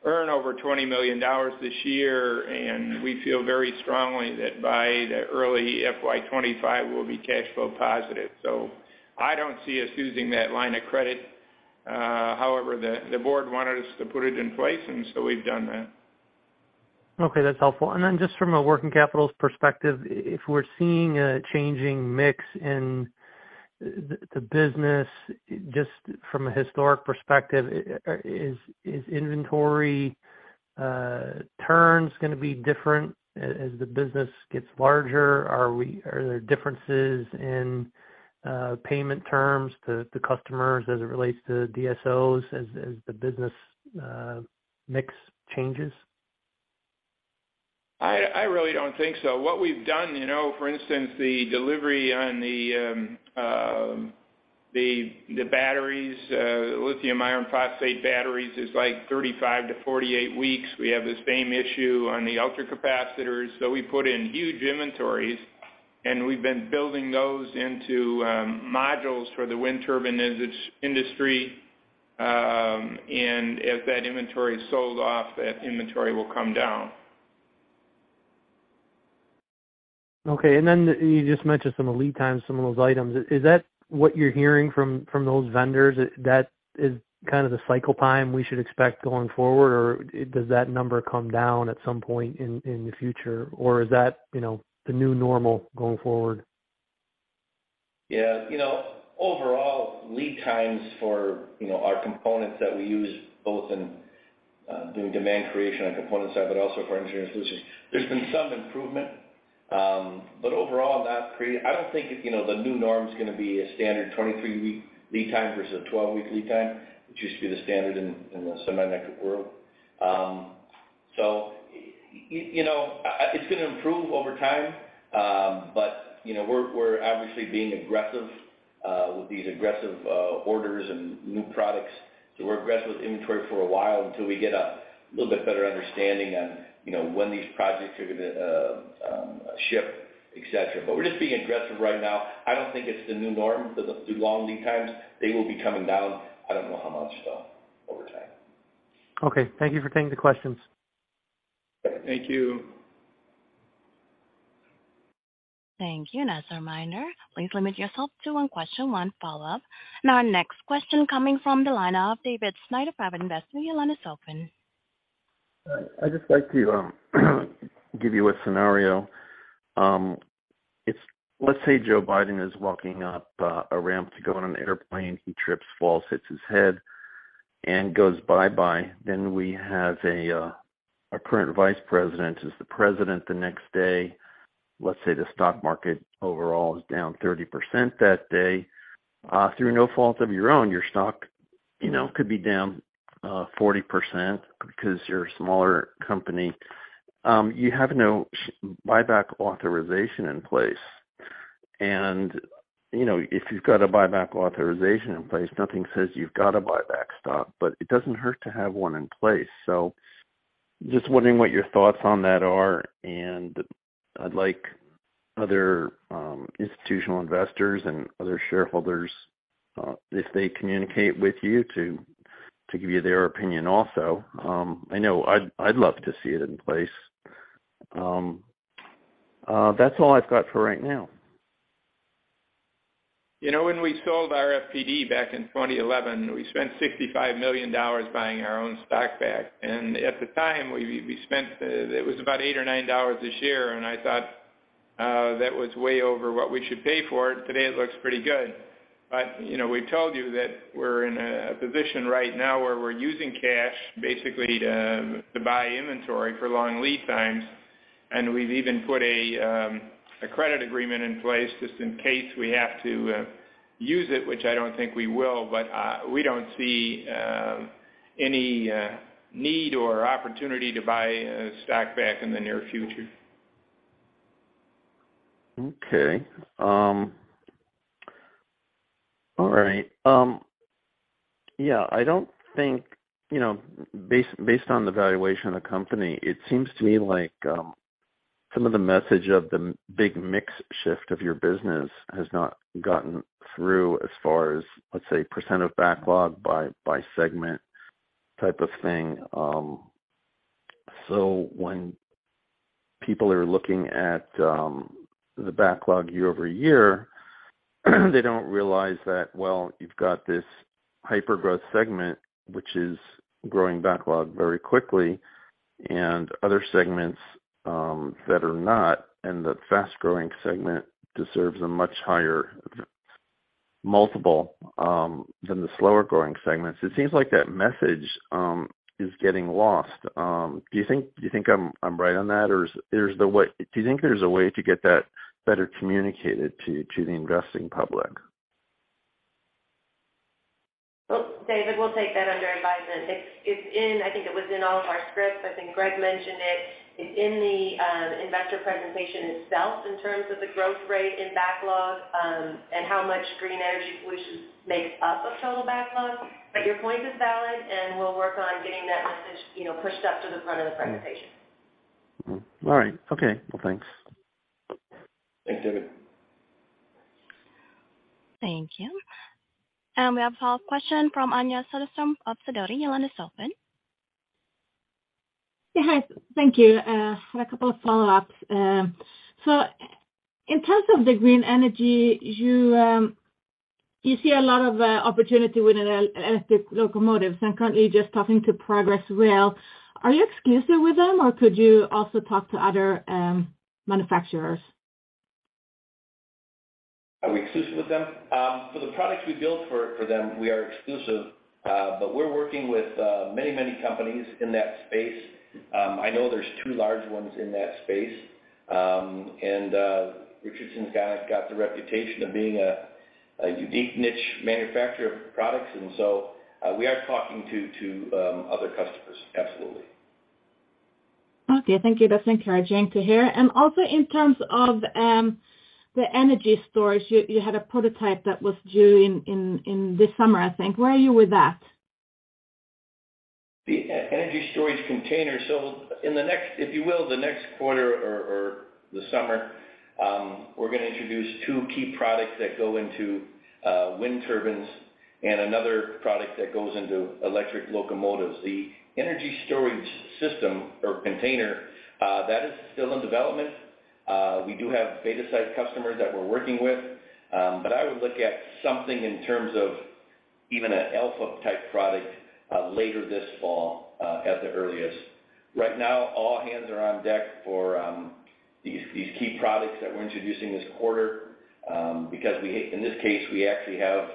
B: earn over $20 million this year, and we feel very strongly that by the early FY25, we'll be cash flow positive. I don't see us using that line of credit. However, the board wanted us to put it in place, we've done that. Okay. That's helpful. Just from a working capital perspective, if we're seeing a changing mix in the business just from a historic perspective, is inventory turns gonna be different as the business gets larger? Are there differences in payment terms to the customers as it relates to DSOs as the business mix changes? I really don't think so. What we've done, you know, for instance, the delivery on the batteries, lithium iron phosphate batteries is like 35-48 weeks. We have the same issue on the ultracapacitors. We put in huge inventories, and we've been building those into modules for the wind turbine industry. As that inventory is sold off, that inventory will come down. Okay. Then you just mentioned some of the lead times, some of those items. Is that what you're hearing from those vendors, that is kind of the cycle time we should expect going forward? Does that number come down at some point in the future? Is that, you know, the new normal going forward?
C: You know, overall lead times for, you know, our components that we use both in doing demand creation on the component side but also for engineering solutions, there's been some improvement. Overall that I don't think, you know, the new norm's gonna be a standard 23-week lead time versus a 12-week lead time, which used to be the standard in the semiconductor world. You know, it's gonna improve over time. You know, we're obviously being aggressive with these aggressive orders and new products. We're aggressive with inventory for a while until we get a little bit better understanding on, you know, when these projects are gonna ship, et cetera. But we're just being aggressive right now. I don't think it's the new norm for the long lead times. They will be coming down. I don't know how much though over time. Okay, thank you for taking the questions. Thank you.
A: Thank you. As a reminder, please limit yourself to one question, one follow-up. Our next question coming from the line of David Snyder, Private Investor. Your line is open.
K: I'd just like to give you a scenario. It's let's say Joe Biden is walking up a ramp to go on an airplane, he trips, falls, hits his head, and goes, bye-bye. We have our current vice president is the president the next day. Let's say the stock market overall is down 30% that day. Through no fault of your own, your stock, you know, could be down 40% because you're a smaller company. You have no buyback authorization in place. You know, if you've got a buyback authorization in place, nothing says you've got to buy back stock, but it doesn't hurt to have one in place. Just wondering what your thoughts on that are, and I'd like other, institutional investors and other shareholders, if they communicate with you to give you their opinion also. I know I'd love to see it in place. That's all I've got for right now.
D: You know, when we sold RFPD back in 2011, we spent $65 million buying our own stock back. At the time, we spent, it was about $8 or $9 a share, and I thought that was way over what we should pay for it. Today, it looks pretty good. You know, we've told you that we're in a position right now where we're using cash basically to buy inventory for long lead times, and we've even put a credit agreement in place just in case we have to use it, which I don't think we will. We don't see any need or opportunity to buy stock back in the near future.
K: Okay. All right. Yeah, I don't think, you know, based on the valuation of the company, it seems to me like some of the message of the big mix shift of your business has not gotten through as far as, let's say, percent of backlog by segment type of thing. So when people are looking at the backlog year-over-year, they don't realize that, well, you've got this hyper growth segment, which is growing backlog very quickly and other segments that are not, and the fast-growing segment deserves a much higher multiple than the slower growing segments. It seems like that message is getting lost. Do you think I'm right on that? Or do you think there's a way to get that better communicated to the investing public?
E: Well, David, we'll take that under advisement. It's in, I think it was in all of our scripts. I think Greg mentioned it. It's in the investor presentation itself in terms of the growth rate in backlog, and how much Green Energy Solutions makes up of total backlog. Your point is valid, and we'll work on getting that message, you know, pushed up to the front of the presentation.
K: All right. Okay. Well, thanks.
D: Thanks, David.
A: Thank you. We have a follow-up question from Anja Soderstrom of Sidoti. Your line is open.
G: Yeah. Hi. Thank you. I had a couple of follow-ups. In terms of the green energy, you see a lot of opportunity within electric locomotives. I'm currently just talking to Progress Rail. Are you exclusive with them, or could you also talk to other manufacturers?
D: Are we exclusive with them? For the products we build for them, we are exclusive. We're working with many companies in that space. I know there's two large ones in that space. Richardson's kind of got the reputation of being a unique niche manufacturer of products. We are talking to other customers, absolutely.
G: Okay. Thank you. That's encouraging to hear. In terms of, the energy storage, you had a prototype that was due in this summer, I think. Where are you with that?
D: The e-energy storage container. In the next, if you will, the next quarter or the summer, We're gonna introduce two key products that go into wind turbines and another product that goes into electric locomotives. The energy storage system or container that is still in development. We do have beta site customers that we're working with. I would look at something in terms of even an alpha-type product later this fall at the earliest. Right now, all hands are on deck for these key products that we're introducing this quarter because in this case, we actually have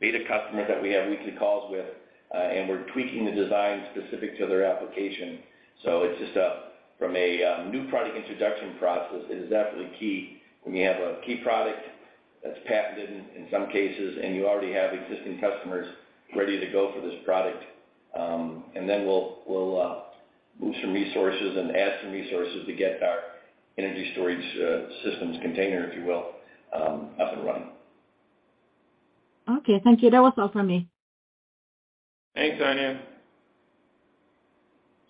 D: beta customers that we have weekly calls with and we're tweaking the design specific to their application. It's just a... from a new product introduction process, it is definitely key when you have a key product that's patented in some cases, and you already have existing customers ready to go for this product. Then we'll move some resources and add some resources to get our energy storage systems container, if you will, up and running.
G: Okay, thank you. That was all for me.
D: Thanks, Anja.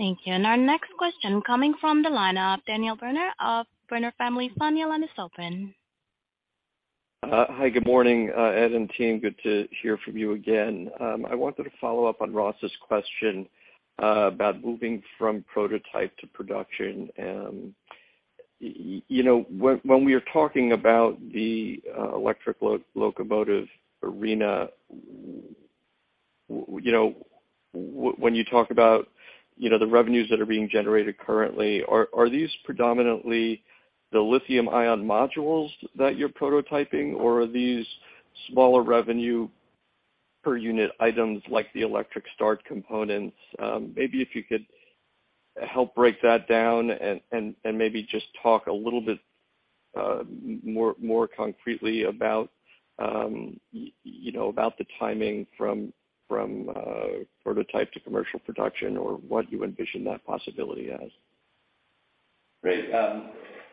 A: Thank you. Our next question coming from the line of Daniel Berner of Berner Family Fund. Your line is open.
L: Hi. Good morning, Ed and team. Good to hear from you again. I wanted to follow up on Ross's question about moving from prototype to production. When we are talking about the electric locomotive arena, you know, when you talk about, you know, the revenues that are being generated currently, are these predominantly the lithium-ion modules that you're prototyping, or are these smaller revenue per unit items like the electric start components? Maybe if you could help break that down and maybe just talk a little bit more concretely about, you know, about the timing from prototype to commercial production or what you envision that possibility as?
D: Great.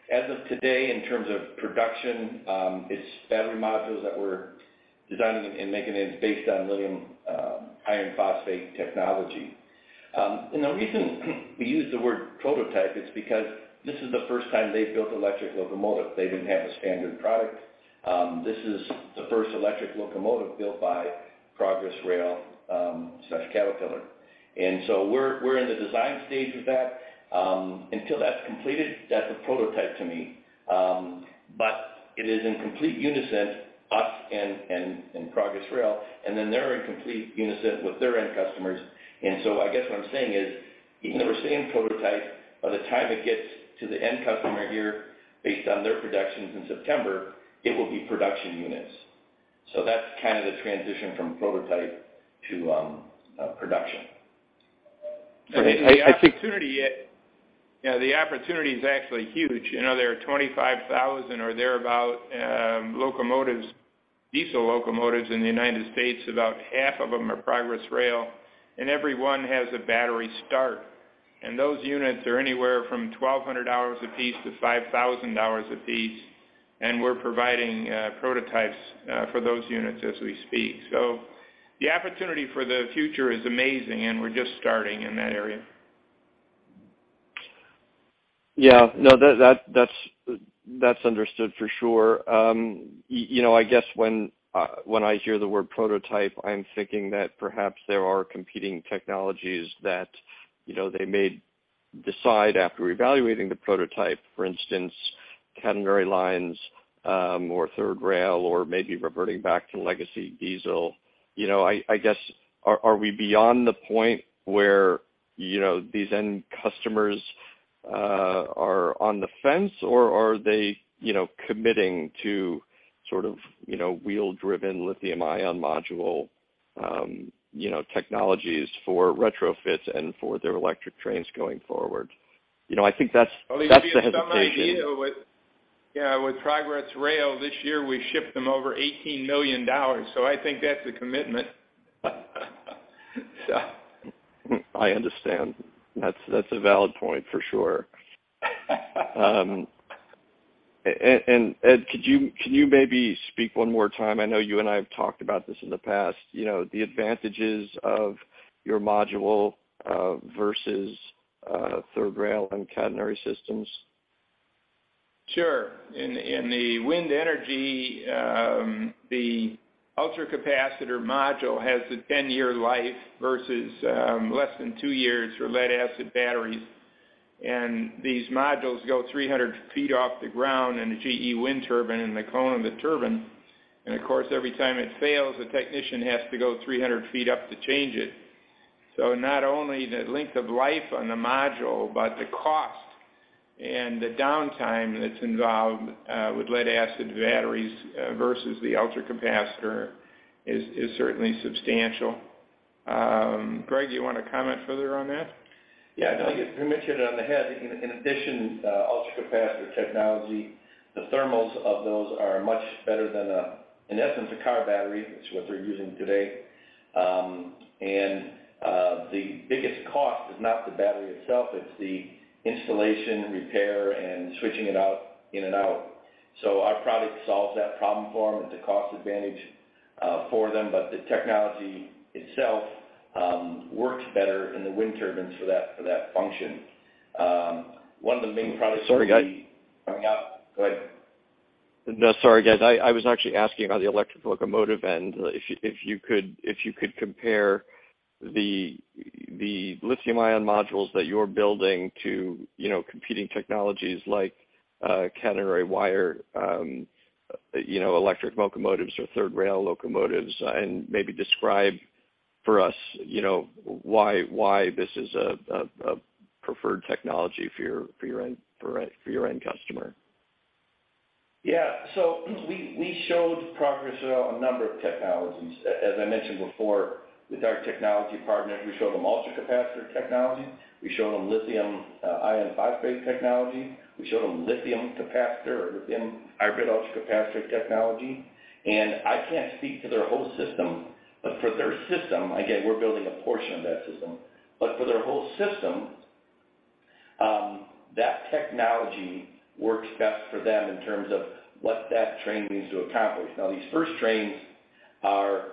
D: As of today, in terms of production, it's battery modules that we're designing and making, and it's based on lithium iron phosphate technology. The reason we use the word prototype, it's because this is the first time they've built electric locomotive. They didn't have a standard product. This is the first electric locomotive built by Progress Rail slash Caterpillar. We're in the design stage with that. Until that's completed, that's a prototype to me. It is in complete unison, us and Progress Rail, they're in complete unison with their end customers. I guess what I'm saying is, even though we're saying prototype, by the time it gets to the end customer here, based on their projections in September, it will be production units. That's kind of the transition from prototype to production.
L: Great.
D: I.
B: The opportunity, you know, the opportunity is actually huge. You know, there are 25,000 or thereabout, locomotives, diesel locomotives in the United States. About half of them are Progress Rail, and every one has a battery start. Those units are anywhere from $1,200 apiece to $5,000 apiece. We're providing prototypes for those units as we speak. The opportunity for the future is amazing, and we're just starting in that area.
L: Yeah. No, that, that's understood for sure. You know, I guess when I hear the word prototype, I'm thinking that perhaps there are competing technologies that, you know, they may decide after evaluating the prototype, for instance, catenary lines, or third rail, or maybe reverting back to legacy diesel. You know, I guess, are we beyond the point where, you know, these end customers are on the fence, or are they, you know, committing to sort of, you know, wheel-driven lithium ion module, you know, technologies for retrofits and for their electric trains going forward? You know, I think that's the hesitation.
B: Well, to give you some idea with, you know, with Progress Rail, this year we shipped them over $18 million, so I think that's a commitment.
L: I understand. That's, that's a valid point for sure. Ed, can you maybe speak one more time, I know you and I have talked about this in the past, you know, the advantages of your module, versus, third rail and catenary systems?
B: Sure. In the wind energy, the ultracapacitor module has a 10-year life versus less than 2 years for lead-acid batteries. These modules go 300 feet off the ground in a GE wind turbine, in the cone of the turbine. Of course, every time it fails, a technician has to go 300 feet up to change it. Not only the length of life on the module, but the cost and the downtime that's involved with lead-acid batteries versus the ultracapacitor is certainly substantial. Greg, you wanna comment further on that?
D: Yeah. No, you hit it on the head. In addition, ultracapacitor technology, the thermals of those are much better than, in essence, a car battery. That's what they're using today. The biggest cost is not the battery itself, it's the installation, repair, and switching it out, in and out. Our product solves that problem for them at the cost advantage for them, but the technology itself, works better in the wind turbines for that, for that function. One of the main products.
L: Sorry, guys.
D: Coming up. Go ahead.
L: No, sorry, guys. I was actually asking on the electric locomotive end, if you could compare the lithium-ion modules that you're building to, you know, competing technologies like, catenary wire, you know, electric locomotives or third rail locomotives, and maybe describe for us, you know, why this is a preferred technology for your end customer.
D: Yeah. We showed Progress Rail a number of technologies. As I mentioned before, with our technology partners, we showed them ultracapacitor technology. We showed them lithium iron phosphate technology. We showed them lithium capacitor or lithium hybrid ultracapacitor technology. I can't speak for their whole system, but for their system, again, we're building a portion of that system. For their whole system, that technology works best for them in terms of what that train needs to accomplish. These first trains are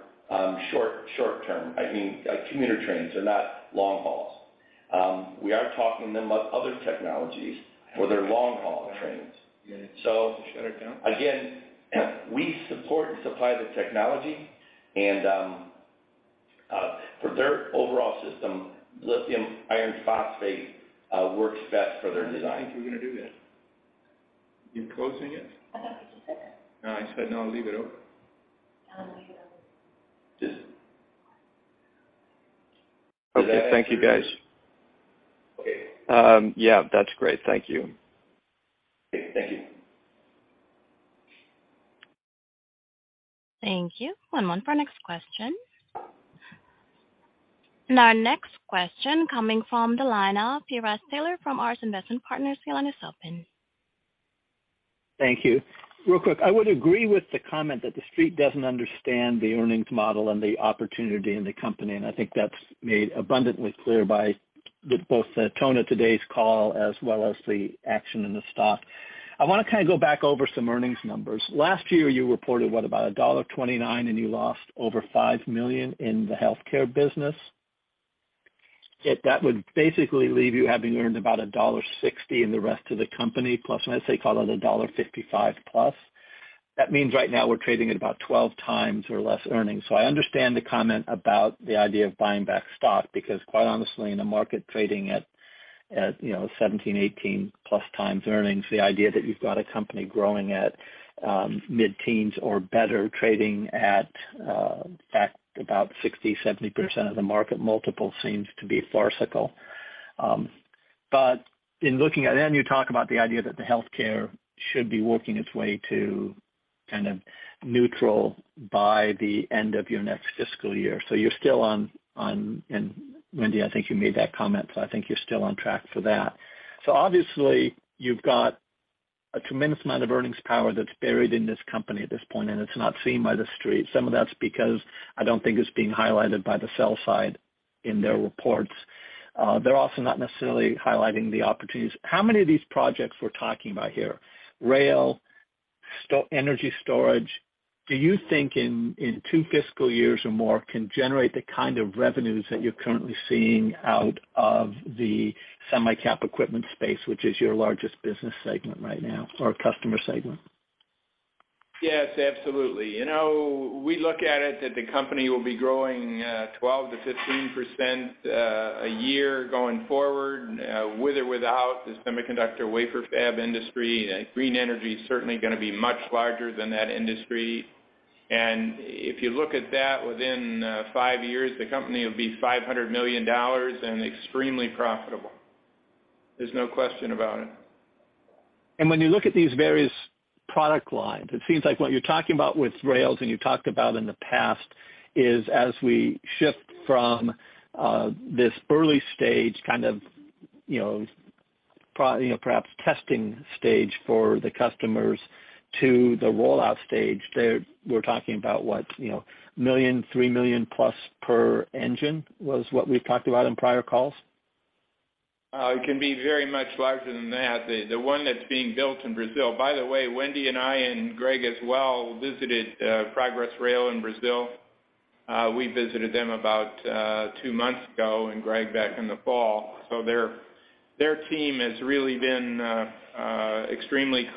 D: short-term. I mean, commuter trains. They're not long hauls. We are talking to them about other technologies for their long-haul trains. Again, we support and supply the technology and for their overall system, lithium iron phosphate works best for their design.
L: I didn't think we were gonna do this.
D: You closing it?
A: I thought we just did.
D: No, I said no, leave it open.
A: I'll leave it open.
D: Just...
L: Okay. Thank you, guys.
D: Okay.
L: Yeah, that's great. Thank you.
D: Okay. Thank you.
A: Thank you. One moment for our next question. Our next question coming from the line of P. Ross Taylor from ARS Investment Partners. Your line is open.
I: Thank you. Real quick, I would agree with the comment that the Street doesn't understand the earnings model and the opportunity in the company, and I think that's made abundantly clear by both the tone of today's call as well as the action in the stock. I wanna kinda go back over some earnings numbers. Last year, you reported, what, about $1.29, and you lost over $5 million in the healthcare business. If that would basically leave you having earned about $1.60 in the rest of the company, plus let's say, call it $1.55+. That means right now we're trading at about 12 times or less earnings. I understand the comment about the idea of buying back stock because quite honestly in a market trading at, you know, 17, 18+ times earnings, the idea that you've got a company growing at mid-teens or better trading at about 60%, 70% of the market multiple seems to be farcical. In looking at... You talk about the idea that the healthcare should be working its way to kind of neutral by the end of your next fiscal year. You're still on track for that. Wendy, I think you made that comment, so I think you're still on track for that. Obviously, you've got a tremendous amount of earnings power that's buried in this company at this point, and it's not seen by the Street. Some of that's because I don't think it's being highlighted by the sell side in their reports. They're also not necessarily highlighting the opportunities. How many of these projects we're talking about here, rail, energy storage, do you think in 2 fiscal years or more can generate the kind of revenues that you're currently seeing out of the semi-cap equipment space, which is your largest business segment right now or customer segment?
D: Yes, absolutely. You know, we look at it that the company will be growing, 12%-15% a year going forward, with or without the semiconductor wafer fab industry. Green energy is certainly going to be much larger than that industry. If you look at that within, five years, the company will be $500 million and extremely profitable. There's no question about it.
I: When you look at these various product lines, it seems like what you're talking about with rails and you talked about in the past is as we shift from this early stage kind of, you know, perhaps testing stage for the customers to the rollout stage, we're talking about what, you know, million, $3 million-plus per engine was what we've talked about in prior calls?
D: It can be very much larger than that. The one that's being built in Brazil. By the way, Wendy and I, and Greg as well, visited Progress Rail in Brazil. We visited them about two months ago, and Greg back in the fall. Their team has really been extremely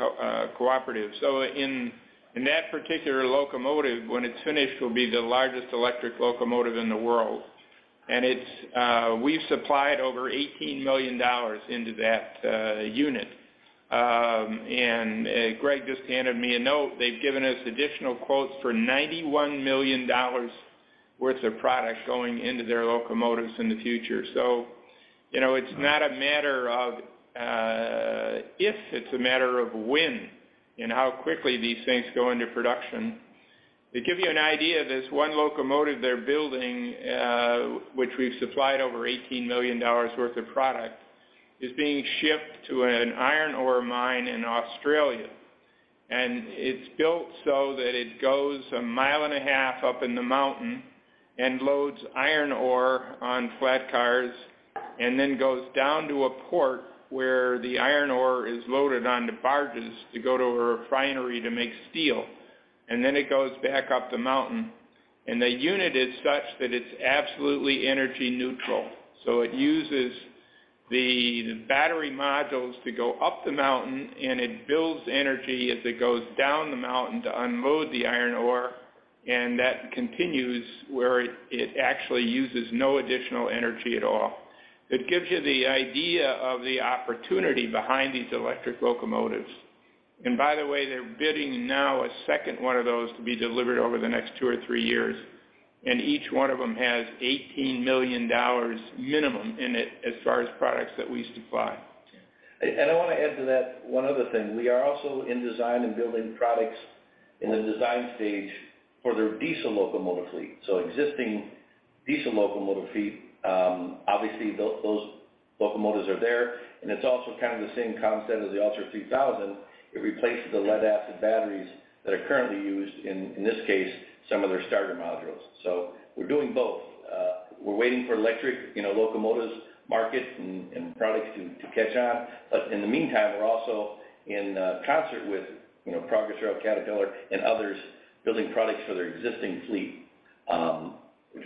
D: cooperative. In that particular locomotive, when it's finished, will be the largest electric locomotive in the world. It's we've supplied over $18 million into that unit. Greg just handed me a note. They've given us additional quotes for $91 million worth of product going into their locomotives in the future. You know, it's not a matter of if, it's a matter of when and how quickly these things go into production. To give you an idea, this one locomotive they're building, which we've supplied over $18 million worth of product, is being shipped to an iron ore mine in Australia. It's built so that it goes a mile and a half up in the mountain and loads iron ore on flat cars. Then goes down to a port where the iron ore is loaded onto barges to go to a refinery to make steel. Then it goes back up the mountain. The unit is such that it's absolutely energy neutral. It uses the battery modules to go up the mountain, and it builds energy as it goes down the mountain to unload the iron ore. That continues where it actually uses no additional energy at all. It gives you the idea of the opportunity behind these electric locomotives. By the way, they're bidding now a second one of those to be delivered over the next 2 or 3 years. Each one of them has $18 million minimum in it as far as products that we supply. I wanna add to that one other thing. We are also in design and building products in the design stage for their diesel locomotive fleet. Existing diesel locomotive fleet, obviously those locomotives are there. It's also kind of the same concept as the ULTRA3000. It replaces the lead acid batteries that are currently used, in this case, some of their starter modules. We're doing both. We're waiting for electric, you know, locomotives market and products to catch on. In the meantime, we're also in concert with, you know, Progress Rail, Caterpillar, and others, building products for their existing fleet.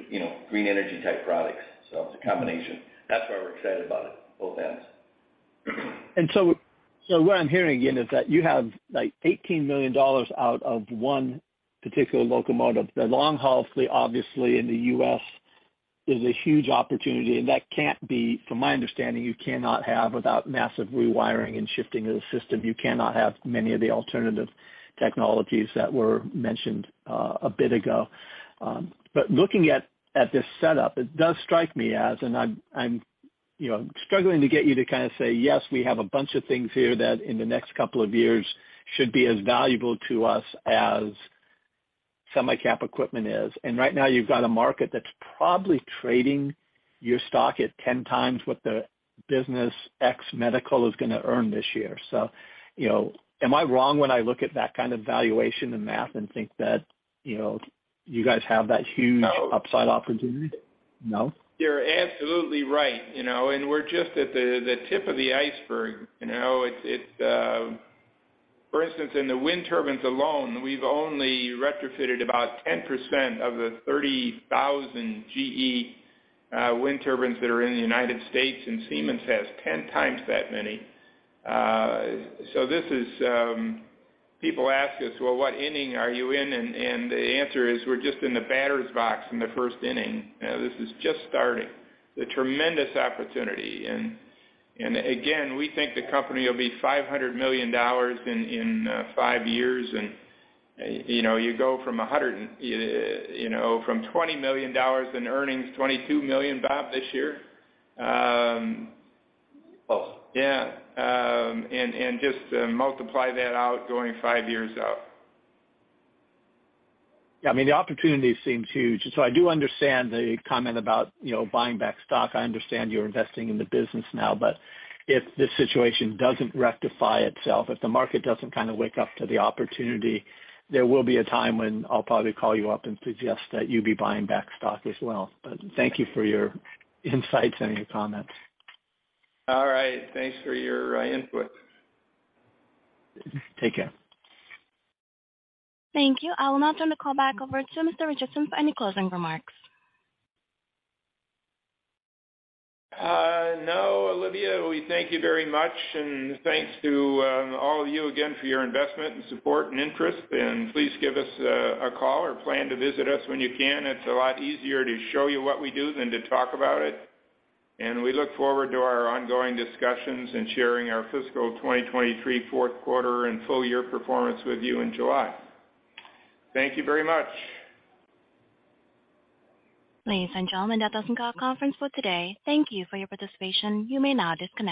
D: You know, green energy type products. It's a combination. That's why we're excited about it, both ends.
I: What I'm hearing again is that you have, like, $18 million out of one particular locomotive. The long-haul fleet obviously in the U.S. is a huge opportunity, and from my understanding, you cannot have without massive rewiring and shifting of the system, you cannot have many of the alternative technologies that were mentioned a bit ago. But looking at this setup, it does strike me as, and I'm, you know, struggling to get you to kind of say, "Yes, we have a bunch of things here that in the next couple of years should be as valuable to us as semi-cap equipment is." Right now you've got a market that's probably trading your stock at 10 times what the business ex medical is gonna earn this year. You know, am I wrong when I look at that kind of valuation and math and think that, you know, you guys have that?
B: No.
I: upside opportunity? No?
B: You're absolutely right, you know. We're just at the tip of the iceberg, you know. For instance, in the wind turbines alone, we've only retrofitted about 10% of the 30,000 GE wind turbines that are in the United States, and Siemens has 10 times that many. People ask us, "Well, what inning are you in?" The answer is we're just in the batter's box in the first inning. You know, this is just starting. It's a tremendous opportunity. Again, we think the company will be $500 million in five years and, you know, from $20 million in earnings, $22 million, Bob, this year.
I: Close.
B: Yeah. Just multiply that out going five years out.
I: I mean, the opportunities seem huge. I do understand the comment about, you know, buying back stock. I understand you're investing in the business now. If this situation doesn't rectify itself, if the market doesn't kinda wake up to the opportunity, there will be a time when I'll probably call you up and suggest that you be buying back stock as well. Thank you for your insights and your comments. All right. Thanks for your input.
B: Take care.
A: Thank you. I will now turn the call back over to Mr. Richardson for any closing remarks.
B: No, Olivia, we thank you very much. Thanks to all of you again for your investment and support and interest. Please give us a call or plan to visit us when you can. It's a lot easier to show you what we do than to talk about it. We look forward to our ongoing discussions and sharing our fiscal 2023 fourth quarter and full year performance with you in July. Thank you very much.
A: Ladies and gentlemen, that does end our conference call today. Thank you for your participation. You may now disconnect.